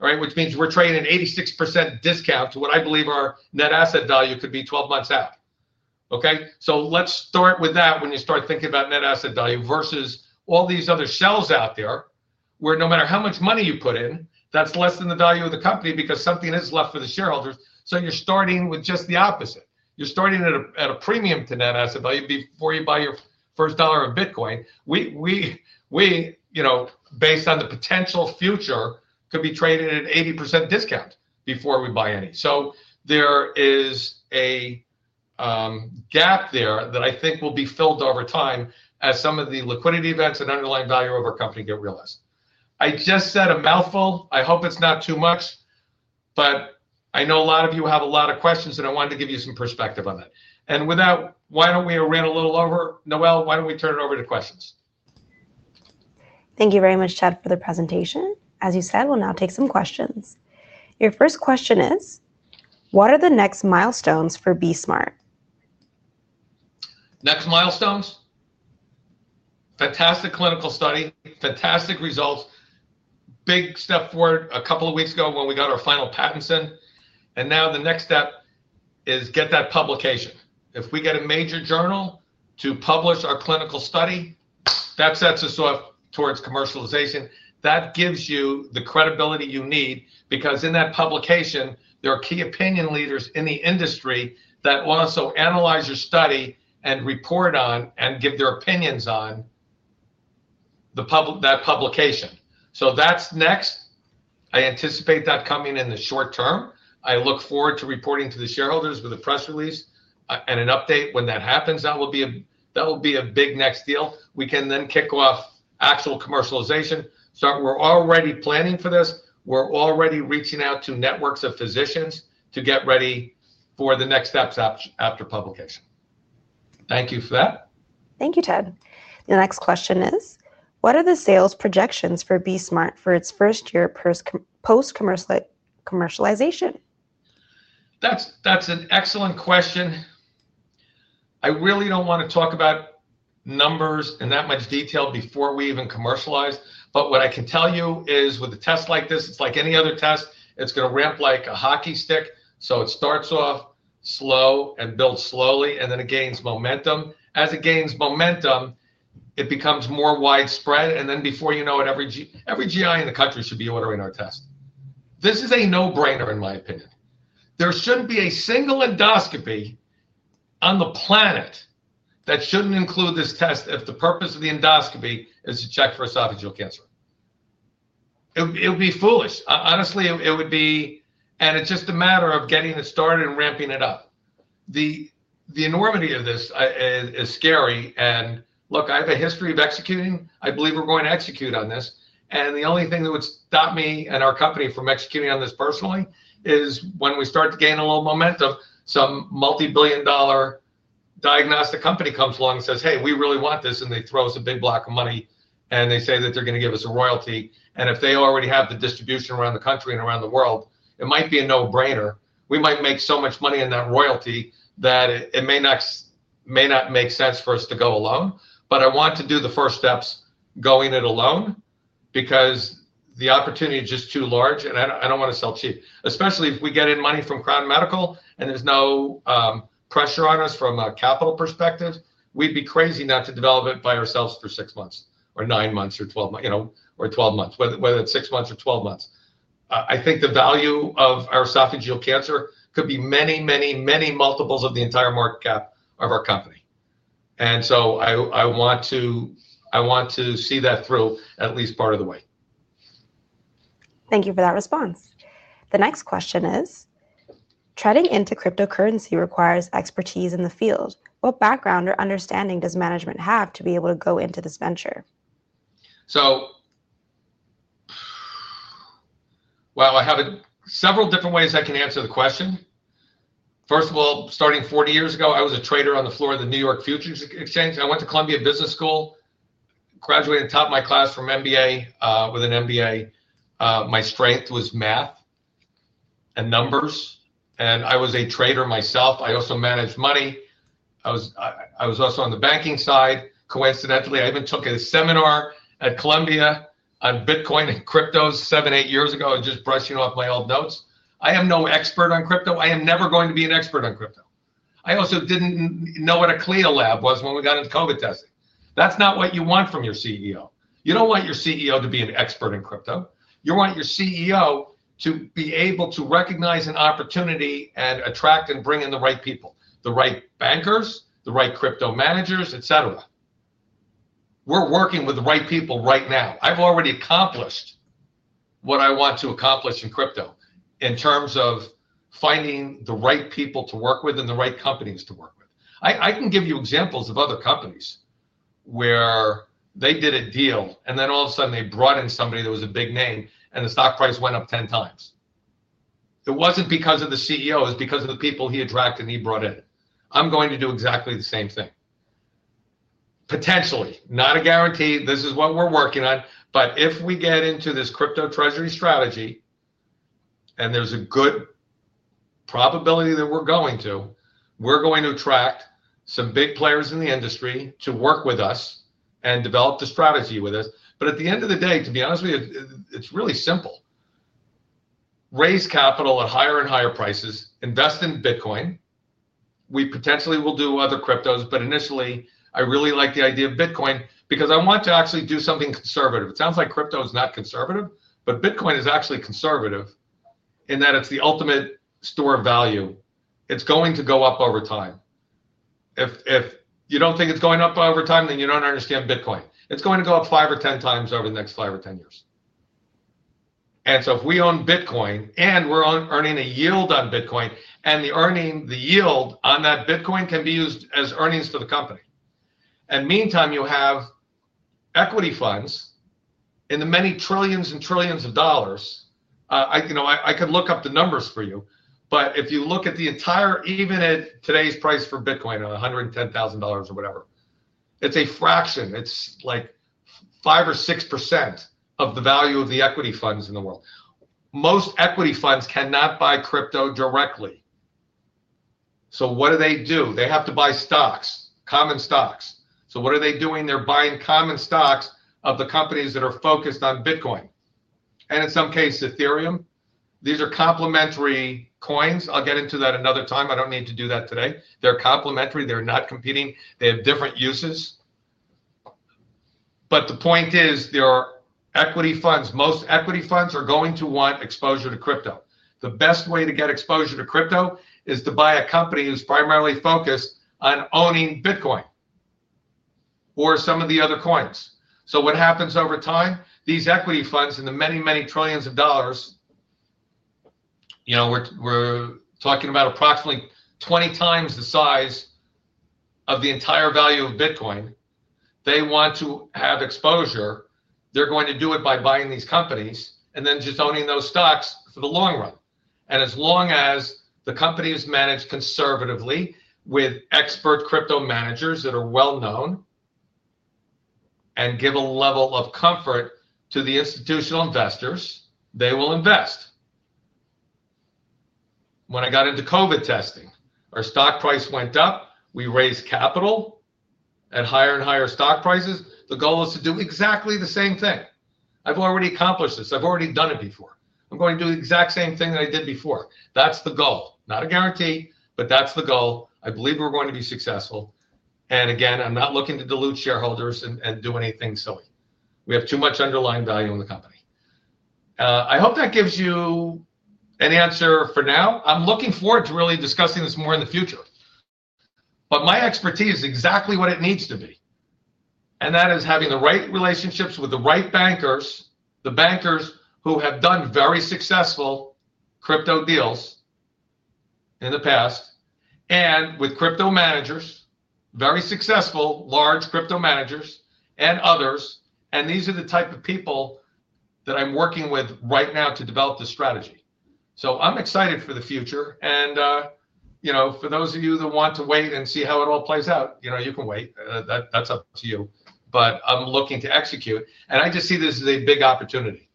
Alright? Which means we're trading at 86% discount to what I believe our net asset value could be twelve months out. Okay? So let's start with that when you start thinking about net asset value versus all these other shells out there where no matter how much money you put in, that's less than the value of the company because something is left for the shareholders. So you're starting with just the opposite. You're starting at a at a premium to net asset value before you buy your first dollar of Bitcoin. We we we, you know, based on the potential future, could be traded at 80% discount before we buy any. So there is a gap there that I think will be filled over time as some of the liquidity events and underlying value of our company get realized. I just said a mouthful. I hope it's not too much, but I know a lot of you have a lot of questions, and I wanted to give you some perspective on that. And with that, why don't we I ran a little over. Noelle, why don't we turn it over to questions? Thank you very much, Chad, for the presentation. As you said, we'll now take some questions. Your first question is what are the next milestones for BSmart? Next milestones? Fantastic clinical study, fantastic results, big step forward a couple of weeks ago when we got our final patents in. And now the next step is get that publication. If we get a major journal to publish our clinical study, that sets us up towards commercialization. That gives you the credibility you need because in that publication, there are key opinion leaders in the industry that also analyze your study and report on and give their opinions on the public that publication. So that's next. I anticipate that coming in the short term. I look forward to reporting to the shareholders with a press release and an update when that happens. That will be a that will be a big next deal. We can then kick off actual commercialization. So we're already planning for this. We're already reaching out to networks of physicians to get ready for the next steps after publication. Thank you for that. Thank you, Ted. The next question is, what are the sales projections for BSmart for its first year post commercialization? That's that's an excellent question. I really don't wanna talk about numbers in that much detail before we even commercialize, but what I can tell you is with a test like this, it's like any other test, it's gonna ramp like a hockey stick. So it starts off slow and builds slowly, and then it gains momentum. As it gains momentum, it becomes more widespread. And then before you know it, every g every GI in the country should be ordering our test. This is a no brainer in my opinion. There shouldn't be a single endoscopy on the planet that shouldn't include this test if the purpose of the endoscopy is to check for esophageal cancer. It it would be foolish. Honestly, it it would be and it's just a matter of getting it started and ramping it up. The the enormity of this is scary. And, look, I have a history of executing. I believe we're going to execute on this. And the only thing that would stop me and our company from executing on this personally is when we start to gain a little momentum, some multibillion dollar diagnostic company comes along and says, hey. We really want this, and they throw us a big block of money, and they say that they're gonna give us a royalty. And if they already have the distribution around the country and around the world, it might be a no brainer. We might make so much money in that royalty that it may not may not make sense for us to go alone. But I want to do the first steps going it alone because the opportunity is just too large, and I don't I don't wanna sell cheap. Especially if we get in money from Crown Medical and there's no pressure on us from a capital perspective, we'd be crazy not to develop it by ourselves for six months or nine months or twelve months, you know, or twelve months, whether it's six months or twelve months. I think the value of our esophageal cancer could be many, many, many multiples of the entire market cap of our company. And so I want to see that through at least part of the way. Thank you for that response. The next question is, treading into cryptocurrency requires expertise in the field. What background or understanding does management have to be able to go into this venture? So well, I have several different ways I can answer the question. First of all, starting forty years ago, I was a trader on the floor of the New York Futures Exchange. I went to Columbia Business School, graduated top of my class from MBA with an MBA. My strength was math and numbers, and I was a trader myself. I also managed money. I was I was also on the banking side. Coincidentally, I even took a seminar at Columbia on Bitcoin and cryptos seven, eight years ago and just brushing off my old notes. I am no expert on crypto. I am never going to be an expert on crypto. I also didn't know what a CLIA lab was when we got into COVID test. That's not what you want from your CEO. You don't want your CEO to be an expert in crypto. You want your CEO to be able to recognize an opportunity and attract and bring in the right people, the right bankers, the right crypto managers, etcetera. We're working with the right people right now. I've already accomplished what I want to accomplish in crypto in terms of finding the right people to work with and the right companies to work with. I I can give you examples of other companies where they did a deal and then all of sudden they brought in somebody that was a big name and the stock price went up 10 times. It wasn't because of the CEO. It's because of the people he attracted and he brought in. I'm going to do exactly the same thing. Potentially, not a guarantee. This is what we're working on. But if we get into this crypto treasury strategy and there's a good probability that we're going to, we're going to attract some big players in the industry to work with us and develop the strategy with us. But at the end of the day, to be honest with you, it's really simple. Raise capital at higher and higher prices, invest in Bitcoin. We potentially will do other cryptos, but initially, I really like the idea of Bitcoin because I want to actually do something conservative. It sounds like crypto is not conservative, but Bitcoin is actually conservative and that it's the ultimate store value. It's going to go up over time. If if you don't think it's going up over time, then you don't understand Bitcoin. It's going to go up five or 10 times over the next five or ten years. And so if we own Bitcoin and we're on earning a yield on Bitcoin and the earning the yield on that Bitcoin can be used as earnings for the company. And meantime, you have equity funds in the many trillions and trillions of dollars. I, you know, I I could look up the numbers for you. But if you look at the entire even at today's price for Bitcoin, a $110,000 or whatever, it's a fraction. It's, like, five or 6% of the value of the equity funds in the world. Most equity funds cannot buy crypto directly. So what do they do? They have to buy stocks, common stocks. So what are they doing? They're buying common stocks of the companies that are focused on Bitcoin. And in some case, Ethereum, these are complementary coins. I'll get into that another time. I don't need to do that today. They're complementary. They're not competing. They have different uses. But the point is there are equity funds. Most equity funds are going to want exposure to crypto. The best way to get exposure to crypto is to buy a company who's primarily focused on owning Bitcoin or some of the other coins. So what happens over time, these equity funds and the many, many trillions of dollars, you know, we're we're talking about approximately 20 times the size of the entire value of Bitcoin. They want to have exposure, they're going to do it by buying these companies and then just owning those stocks for the long run. And as long as the company is managed conservatively with expert crypto managers that are well known and give a level of comfort to the institutional investors, they will invest. When I got into COVID testing, our stock price went up. We raised capital at higher and higher stock prices. The goal is to do exactly the same thing. I've already accomplished this. I've already done it before. I'm going to do the exact same thing that I did before. That's the goal. Not a guarantee, but that's the goal. I believe we're going to be successful. And, I'm not looking to dilute shareholders and and do anything silly. We have too much underlying value in the company. I hope that gives you an answer for now. I'm looking forward to really discussing this more in the future. But my expertise is exactly what it needs to be, and that is having the right relationships with the right bankers, the bankers who have done very successful crypto deals in the past and with crypto managers, very successful large crypto managers and others. And these are the type of people that I'm working with right now to develop the strategy. I'm excited for the future. And, you know, for those of you that want to wait and see how it all plays out, you know, you can wait. That that's up to you. But I'm looking to execute, and I just see this as a big opportunity.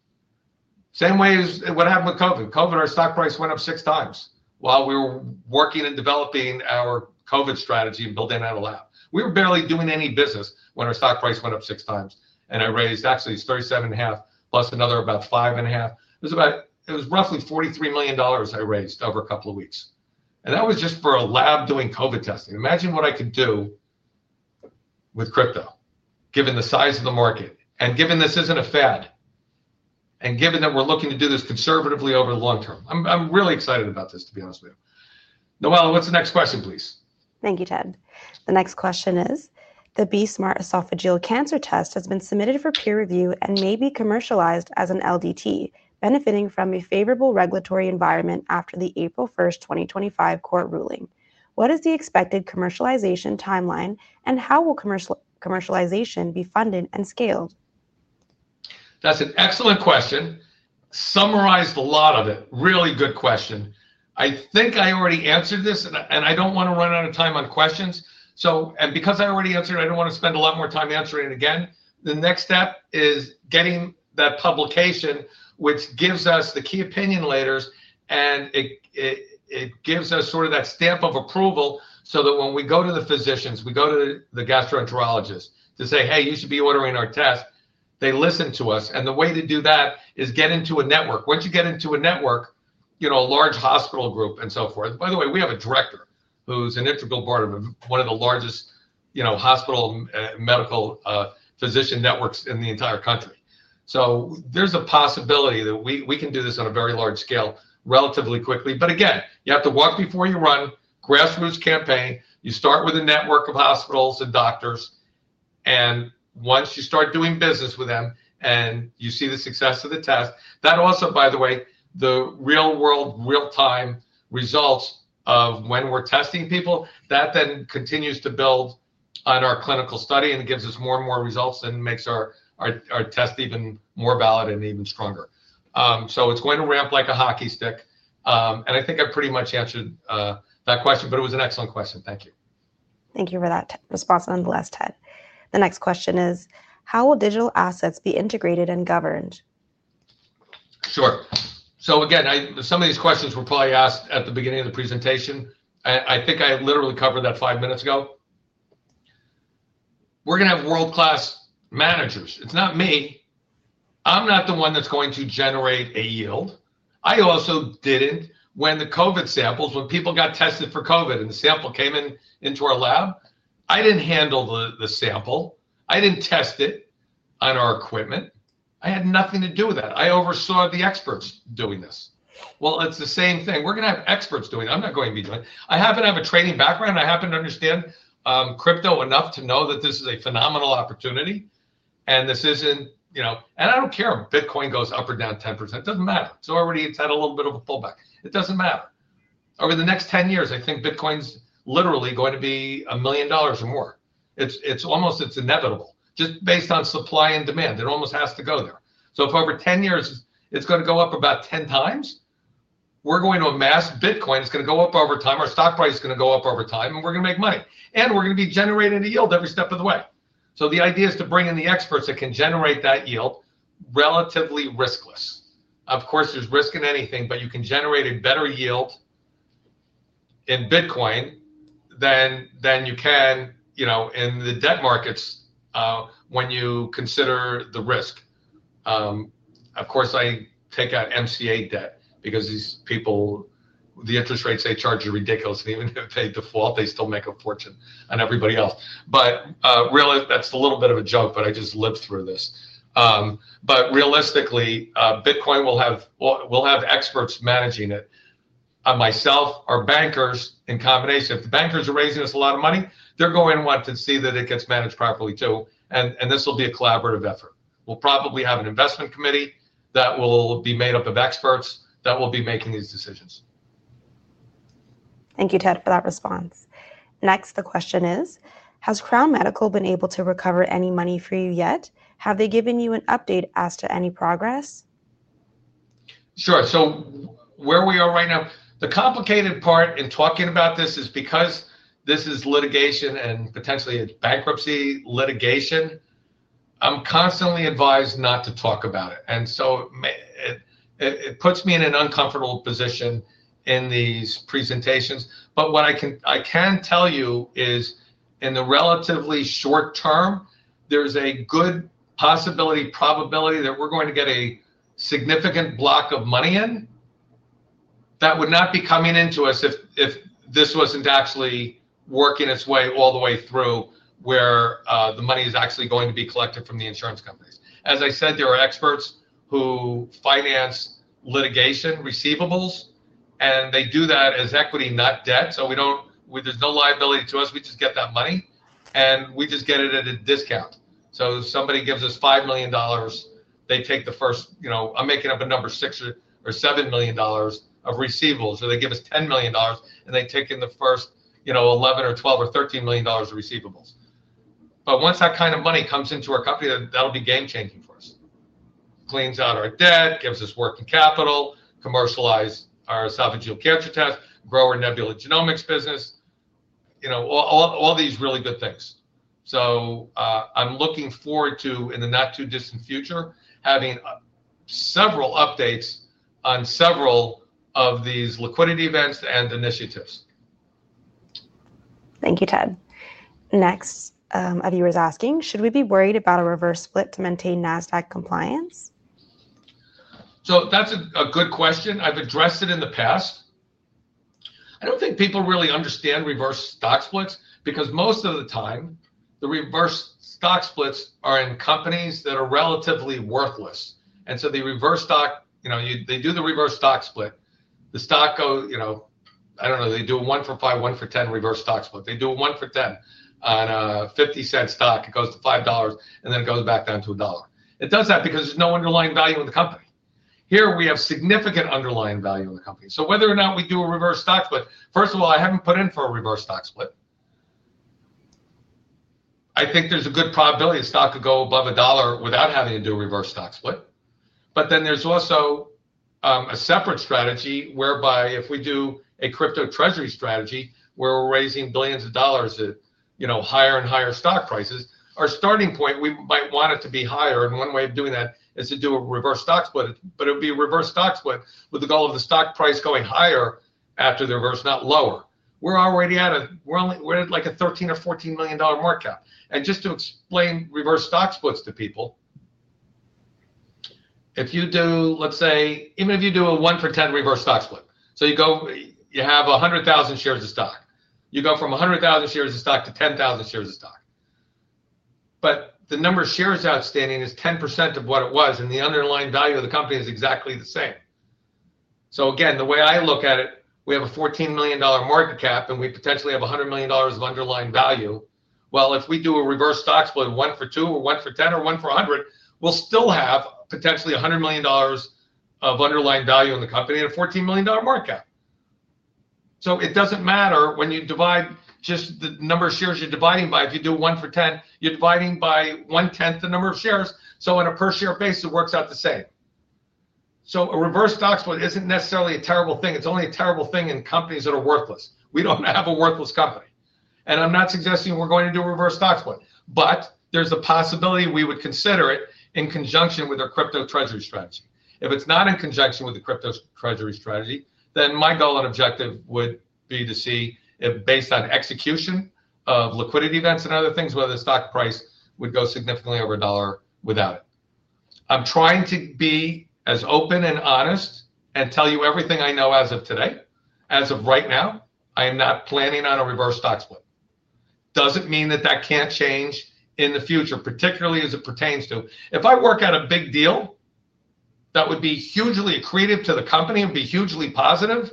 Same way as what happened with COVID. COVID, our stock price went up six times while we were working and developing our COVID strategy and building out a lab. We were barely doing any business when our stock price went up six times, and I raised actually, it's 37 and a half plus another about 5 and a half. It was about it was roughly $43,000,000 I raised over a couple of weeks. And that was just for a lab doing COVID testing. Imagine what I could do with crypto given the size of the market and given this isn't a fad and given that we're looking to do this conservatively over the long term. I'm I'm really excited about this, to be honest with you. Noelle, what's the next question, please? Thank you, Ted. The next question is, the BSmart esophageal cancer test has been submitted for peer review and may be commercialized as an LDT, benefiting from a favorable regulatory environment after the 04/01/2025 court ruling. What is the expected commercialization timeline, and how will commercialization be funded and scaled? That's an excellent question. Summarized a lot of it. Really good question. I think I already answered this, and I and I don't wanna run out of time on questions. So and because I already answered it, I don't wanna spend a lot more time answering it again. The next step is getting that publication which gives us the key opinion leaders and it it it gives us sort of that stamp of approval so that when we go to the physicians, we go to the gastroenterologist to say, hey. You should be ordering our test. They listen to us. And the way to do that is get into a network. Once you get into a network, you know, a large hospital group and so forth by the way, we have a director who's an integral part of one of the largest, you know, hospital medical physician networks in the entire country. So there's a possibility that we we can do this on a very large scale relatively quickly. But, you have to walk before you run grassroots campaign. You start with a network of hospitals and doctors. And once you start doing business with them and you see the success of the test that also, by the way, the real world, real time results of when we're testing people, that then continues to build on our clinical study and gives us more and more results and makes our our test even more valid and even stronger. So it's going to ramp like a hockey stick. And I think I pretty much answered that question, but it was an excellent question. Thank you. Thank you for that response on the last 10. The next question is, how will digital assets be integrated and governed? Sure. So, again, I some of these questions were probably asked at the beginning of the presentation. I I think I literally covered that five minutes ago. We're gonna have world class managers. It's not me. I'm not the one that's going to generate a yield. I also didn't when the COVID samples when people got tested for COVID and the sample came in into our lab, I didn't handle the the sample. I didn't test it on our equipment. I had nothing to do with that. I oversaw the experts doing this. Well, it's the same thing. We're gonna have experts doing it. I'm not going to be doing it. I happen to have a trading background. I happen to understand crypto enough to know that this is a phenomenal opportunity, and this isn't you know? And I don't care if Bitcoin goes up or down 10%. It doesn't matter. It's already it's had a little bit of a pullback. It doesn't matter. Over the next ten years, I think Bitcoin's literally going to be a million dollars or more. It's it's almost it's inevitable. Just based on supply and demand, it almost has to go there. So if over ten years, it's gonna go up about 10 times, we're going to amass Bitcoin. It's gonna go up over time. Our stock price is gonna go up over time, and we're gonna make money. And we're gonna be generating the yield every step of the way. So the idea is to bring in the experts that can generate that yield relatively riskless. Of course, there's risk in anything, but you can generate a better yield in Bitcoin than than you can, you know, in the debt markets when you consider the risk. Of course, I take out MCA debt because these people the interest rates they charge are ridiculous. Even if they default, they still make a fortune on everybody else. But, really, that's a little bit of a joke, but I just lived through this. But, realistically, Bitcoin will have will have experts managing it. Myself, our bankers, in combination. If the bankers are raising us a lot of money, they're going to want to see that it gets managed properly too, and and this will be a collaborative effort. We'll probably have an investment committee that will be made up of experts that will be making these decisions. Thank you, Ted, for that response. Next, the question is, has Crown Medical been able to recover any money for you yet? Have they given you an update as to any progress? Sure. So where we are right now, the complicated part in talking about this is because this is litigation and potentially bankruptcy litigation, I'm constantly advised not to talk about it. And so it it puts me in an uncomfortable position in these presentations. But what I can I can tell you is in the relatively short term, there's a good possibility, probability that we're going to get a significant block of money in that would not be coming into us if if this wasn't actually working its way all the way through where the money is actually going to be collected from the insurance companies? As I said, there are experts who finance litigation receivables, and they do that as equity, not debt. So we don't with there's no liability to us. We just get that money, and we just get it at a discount. So somebody gives us $5,000,000, they take the first you know, I'm making up a number 6 or or So they give us $10,000,000, and they take in the first, you know, 11 or 12 or $13,000,000 of receivables. But once that kind of money comes into our company, that'll be game changing for us. Cleans out our debt, gives us working capital, commercialize our esophageal cancer test, grow our nebula genomics business, you know, all all these really good things. So I'm looking forward to, in the not too distant future, having several updates on several of these liquidity events and initiatives. Thank you, Ted. Next, Adi was asking, should we be worried about a reverse split to maintain Nasdaq compliance? So that's a a good question. I've addressed it in the past. I don't think people really understand reverse stock splits because most of the time, the reverse stock splits are in companies that are relatively worthless. And so the reverse stock, you know, you they do the reverse stock split. The stock go, you know I don't know. They do a one for five, one for 10 reverse stock split. They do a one for 10 on a 50¢ stock. It goes to $5 and then it goes back down to a dollar. It does that because there's no underlying value in the company. Here, have significant underlying value of the company. So whether or not we do a reverse stock split, first of all, I haven't put in for a reverse stock split. I think there's a good probability the stock could go above a dollar without having to do a reverse stock split. But then there's also a separate strategy whereby if we do a crypto treasury strategy, we're raising billions of dollars at, you know, higher and higher stock prices. Our starting point, we might want it to be higher. And one way of doing that is to do a reverse stock split, but it'll be a reverse stock split with the goal of the stock price going higher after the reverse, not lower. We're already at a we're only we're at, like, a 13 or $14,000,000 markup. And just to explain reverse stock splits to people, If you do let's say, even if you do a one for 10 reverse stock split. So you go you have a 100,000 shares of stock. You go from a 100,000 shares of stock to 10,000 shares of stock. But the number of shares outstanding is 10% of what it was, and the underlying value of the company is exactly the same. So, again, the way I look at it, we have a $14,000,000 market cap and we potentially have a $100,000,000 of underlying value. Well, if we do a reverse stocks with one for two or one for 10 or one for a 100, we'll still have potentially a $100,000,000 of underlying value in the company and a $14,000,000 markup. So it doesn't matter when you divide just the number of shares you're dividing by. If you do one for 10, you're dividing by one tenth the number of shares. So on a per share basis, it works out the same. So a reverse stock split isn't necessarily a terrible thing. It's only a terrible thing in companies that are worthless. We don't have a worthless company. And I'm not suggesting we're going to do a reverse stock split, but there's a possibility we would consider it in conjunction with our crypto treasury strategy. If it's not in conjunction with the crypto treasury strategy, then my goal and objective would be to see if based on execution of liquidity events and other things where the stock price would go significantly over a dollar without it. I'm trying to be as open and honest and tell you everything I know as of today. As of right now, I am not planning on a reverse stock split. Doesn't mean that that can't change in the future, particularly as it pertains to if I work out a big deal that would be hugely accretive to the company and be hugely positive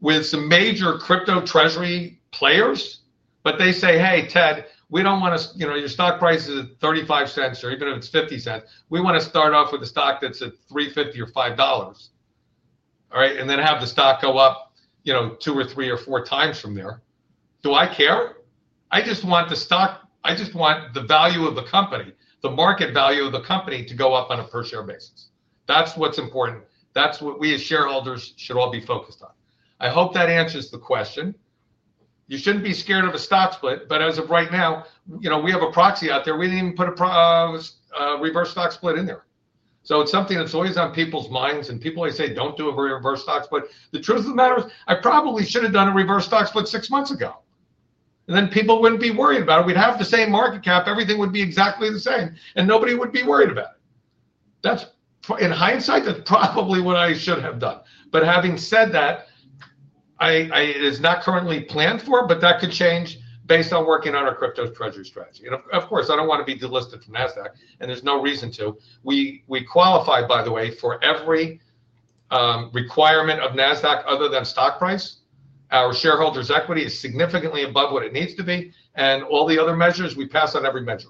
with some major crypto treasury players, but they say, hey, Ted, we don't wanna you know, your stock price is 35¢ or even if it's 50¢. We wanna start off with the stock that's at $3.50 or $5. Alright? And then have the stock go up, you know, two or three or four times from there. Do I care? I just want the stock I just want the value of the company, the market value of the company to go up on a per share basis. That's what's important. That's what we as shareholders should all be focused on. I hope that answers the question. You shouldn't be scared of a stock split, but as of right now, you know, we have a proxy out there. We didn't even put a a reverse stock split in there. So it's something that's always on people's minds, and people always say don't do a reverse stock split. The truth of the matter is I probably should have done a reverse stock split six months ago. Then And people wouldn't be worried about it. We'd have the same market cap. Everything would be exactly the same, and nobody would be worried about it. That's in hindsight, that's probably what I should have done. But having said that, I I it is not currently planned for, but that could change based on working on our crypto treasury strategy. Of course, I don't wanna be delisted from Nasdaq, and there's no reason to. We we qualify, by the way, for every requirement of Nasdaq other than stock price. Our shareholders' equity is significantly above what it needs to be, and all the other measures, we pass on every measure.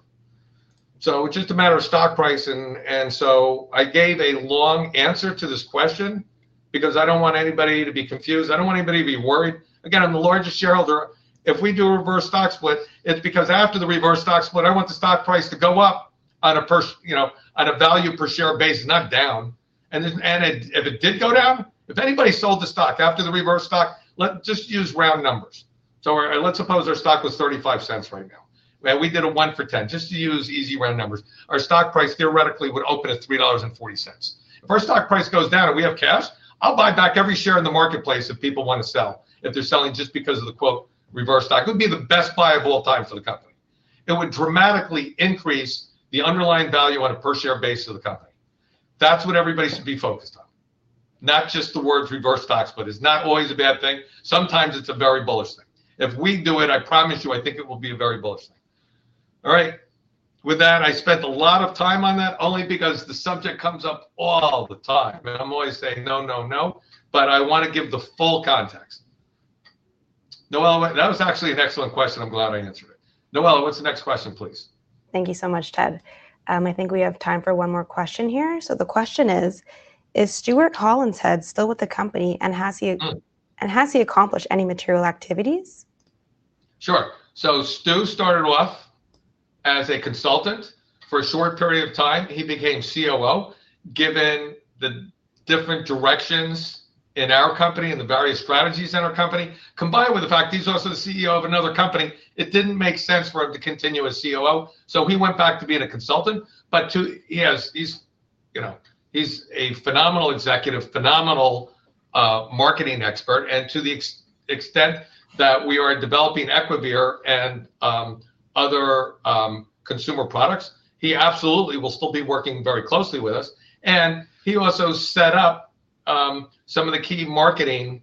So it's just a matter of stock price. And and so I gave a long answer to this question because I don't want anybody to be confused. I don't want anybody to be worried. Again, I'm the largest shareholder. If we do reverse stock split, it's because after the reverse stock split, want the stock price to go up on a first you know, on a value per share base, not down. And then and it if it did go down, if anybody sold the stock after the reverse stock, let just use round numbers. So let's suppose our stock was 35¢ right now. We did a one for 10, just to use easy round numbers. Our stock price theoretically would open at $3.40. If our stock price goes down and we have cash, I'll buy back every share in the marketplace if people wanna sell if they're selling just because of the quote reverse stock, it would be the best buy of all time for the company. It would dramatically increase the underlying value on a per share base of the company. That's what everybody should be focused on. Not just the word reverse stocks, but it's not always a bad thing. Sometimes it's a very bullish thing. If we do it, I promise you, think it will be a very bullish thing. Alright. With that, I spent a lot of time on that only because the subject comes up all the time. And I'm always saying no, no, no, but I wanna give the full context. Noel, that was actually an excellent question. I'm glad I answered it. Noel, what's the next question, please? Thank you so much, Ted. I think we have time for one more question here. So the question is, is Stuart Collins head still with the company and has he and has he accomplished any material activities? Sure. So Stu started off as a consultant. For a short period of time, he became COO. Given the different directions in our company and the various strategies in our company, combined with the fact he's also the CEO of another company, it didn't make sense for him to continue as COO. So he went back to being a consultant. But to yes. He's, you know, he's a phenomenal executive, phenomenal marketing expert. And to the extent that we are developing EquiVeer and other consumer products, he absolutely will still be working very closely with us. And he also set up some of the key marketing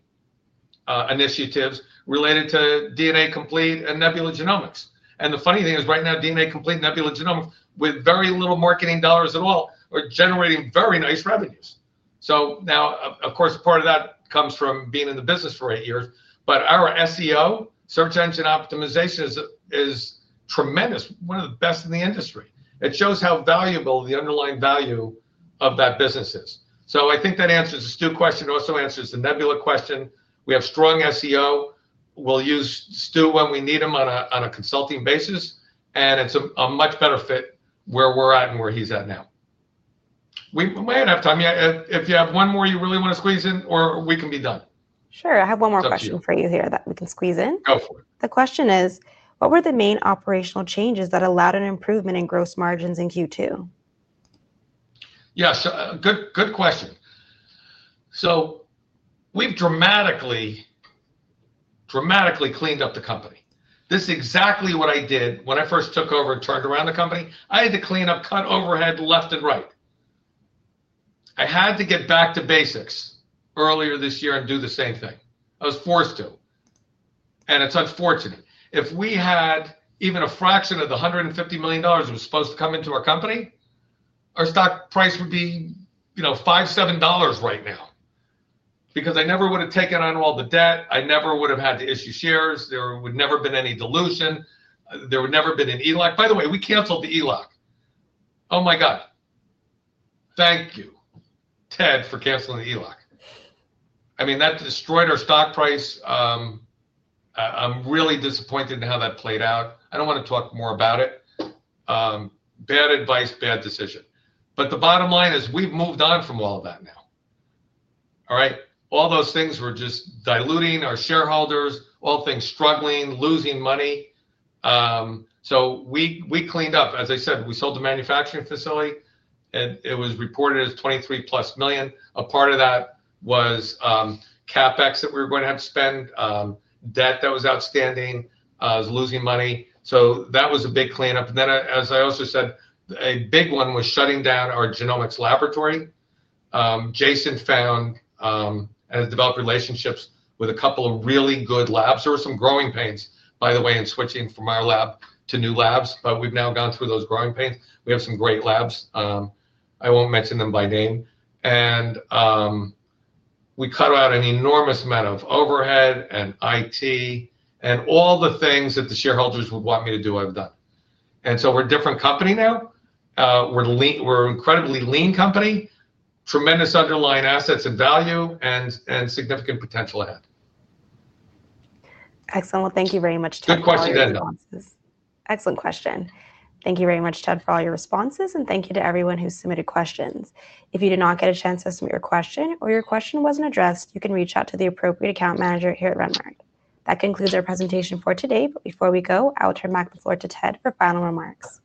initiatives related to DNA complete and Nebula Genomics. And the funny thing is right now DNA complete, Nebula Genomics, with very little marketing dollars at all, are generating very nice revenues. So now, of of course, part of that comes from being in the business for eight years, but our SEO, search engine optimization, is is tremendous, one of the best in the industry. It shows how valuable the underlying value of that business is. So I think that answers the Stu question. It also answers the Nebula question. We have strong SEO. We'll use Stu when we need him on a on a consulting basis, and it's a a much better fit where we're at and where he's at now. We we might have time yet. If you have one more you really wanna squeeze in or we can be done. Sure. I have one more question for you here that we can squeeze in. Go for it. The question is, what were the main operational changes that allowed an improvement in gross margins in q two? Yes. Good good question. So we've dramatically dramatically cleaned up the company. This is exactly what I did when I first took over and turned around the company. I had to clean up, cut overhead left and right. I had to get back to basics earlier this year and do the same thing. I was forced to, and it's unfortunate. If we had even a fraction of the $150,000,000 that was supposed to come into our company, our stock price would be, you know, $57 right now. Because I never would have taken on all the debt. I never would have had to issue shares. There would never been any dilution. There would never been an ELAC. By the way, we canceled the ELAC. Oh my god. Thank you, Ted, for canceling the ELOC. I mean, that destroyed our stock price. I'm really disappointed in how that played out. I don't wanna talk more about it. Bad advice, bad decision. But the bottom line is we've moved on from all of that now. Alright? All those things were just diluting our shareholders, all things struggling, losing money. So we we cleaned up. As I said, we sold the manufacturing facility and it was reported as 23. A part of that was CapEx that we're going to have to spend, debt that was outstanding, losing money. So that was a big cleanup. And then as I also said, a big one was shutting down our genomics laboratory. Jason found and developed relationships with a couple of really good labs. There were some growing pains, by the way, in switching from our lab to new labs, but we've now gone through those growing pains. We have some great labs. I won't mention them by name. And we cut out an enormous amount of overhead and IT and all the things that the shareholders would want me to do, I've done. And so we're a different company now. We're an incredibly lean company, tremendous underlying assets and value and significant potential ahead. Well, you very much, for your responses. Excellent question. Thank you very much, Ted, for all your responses, and thank you to everyone who submitted questions. If you did not get a chance to submit your question or your question wasn't addressed, you can reach out to the appropriate account manager here at Remark. That concludes our presentation for today. But before we go, I will turn back the floor to Ted for final remarks.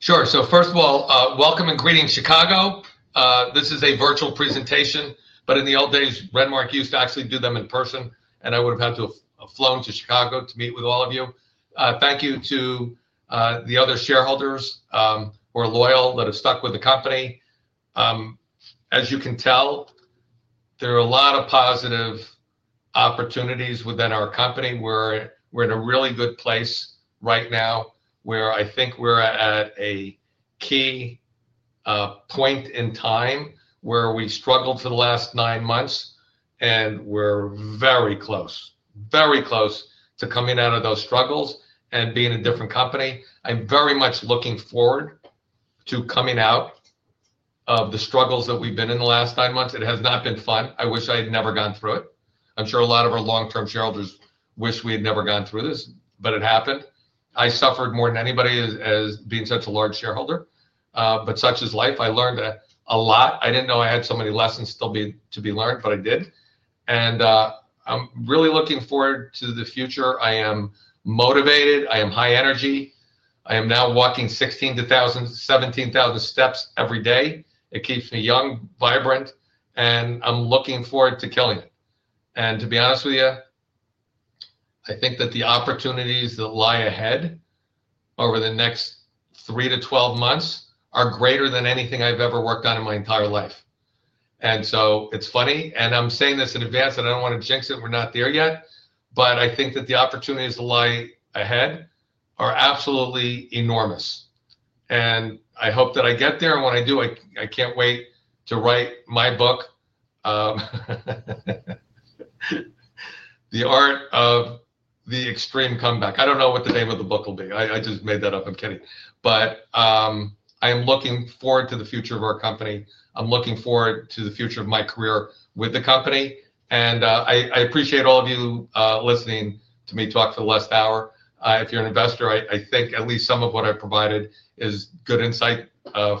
Sure. So first of all, welcome and greetings Chicago. This is a virtual presentation. But in the old days, Redmark used to actually do them in person, and I would have had to have flown to Chicago to meet with all of you. Thank you to the other shareholders who are loyal, that have stuck with the company. As you can tell, there are a lot of positive opportunities within our company. We're we're in a really good place right now where I think we're at a key point in time where we struggled for the last nine months, and we're very close, very close to coming out of those struggles and being a different company. I'm very much looking forward to coming out of the struggles that we've been in the last nine months. It has not been fun. I wish I had never gone through it. I'm sure a lot of our long term shareholders wish we had never gone through this, but it happened. I suffered more than anybody as as being such a large shareholder. But such is life. I learned that a lot. I didn't know I had so many lessons still be to be learned, but I did. And I'm really looking forward to the future. I am motivated. I am high energy. I am now walking 16 to thousand 17,000 steps every day. It keeps me young, vibrant, and I'm looking forward to killing it. And to be honest with you, I think that the opportunities that lie ahead over the next three to twelve months are greater than anything I've ever worked on in my entire life. And so it's funny, and I'm saying this in advance, and I don't wanna jinx it. We're not there yet. But I think that the opportunities lie ahead are absolutely enormous. And I hope that I get there, and when I do, I I can't wait to write my book. The art of the extreme comeback. I don't know what the name of the book will be. I I just made that up. I'm kidding. But I am looking forward to the future of our company. I'm looking forward to the future of my career with the company. And I I appreciate all of you listening to me talk for the last hour. If you're an investor, I I think at least some of what I provided is good insight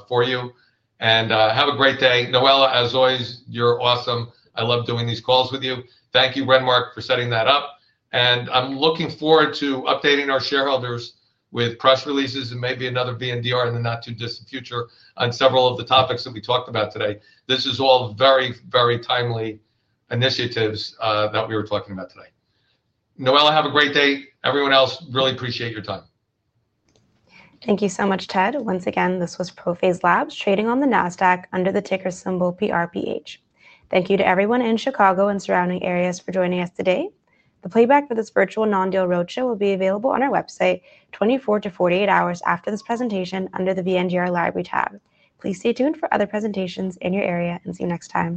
for you. And have a great day. Noel, as always, you're awesome. I love doing these calls with you. Thank you, Renmark, for setting that up. And I'm looking forward to updating our shareholders with press releases and maybe another VNDR in the not too distant future on several of the topics that we talked about today. This is all very, very timely initiatives that we were talking about today. Noella, have a great day. Everyone else, really appreciate your time. Thank you so much, Ted. Once again, this was Prophase Labs trading on the Nasdaq under the ticker symbol PRPH. Thank you to everyone in Chicago and surrounding areas for joining us today. The playback for this virtual non deal roadshow will be available on our website twenty four to forty eight hours after this presentation under the VNGR Library tab. Please stay tuned for other presentations in your area and see you next time.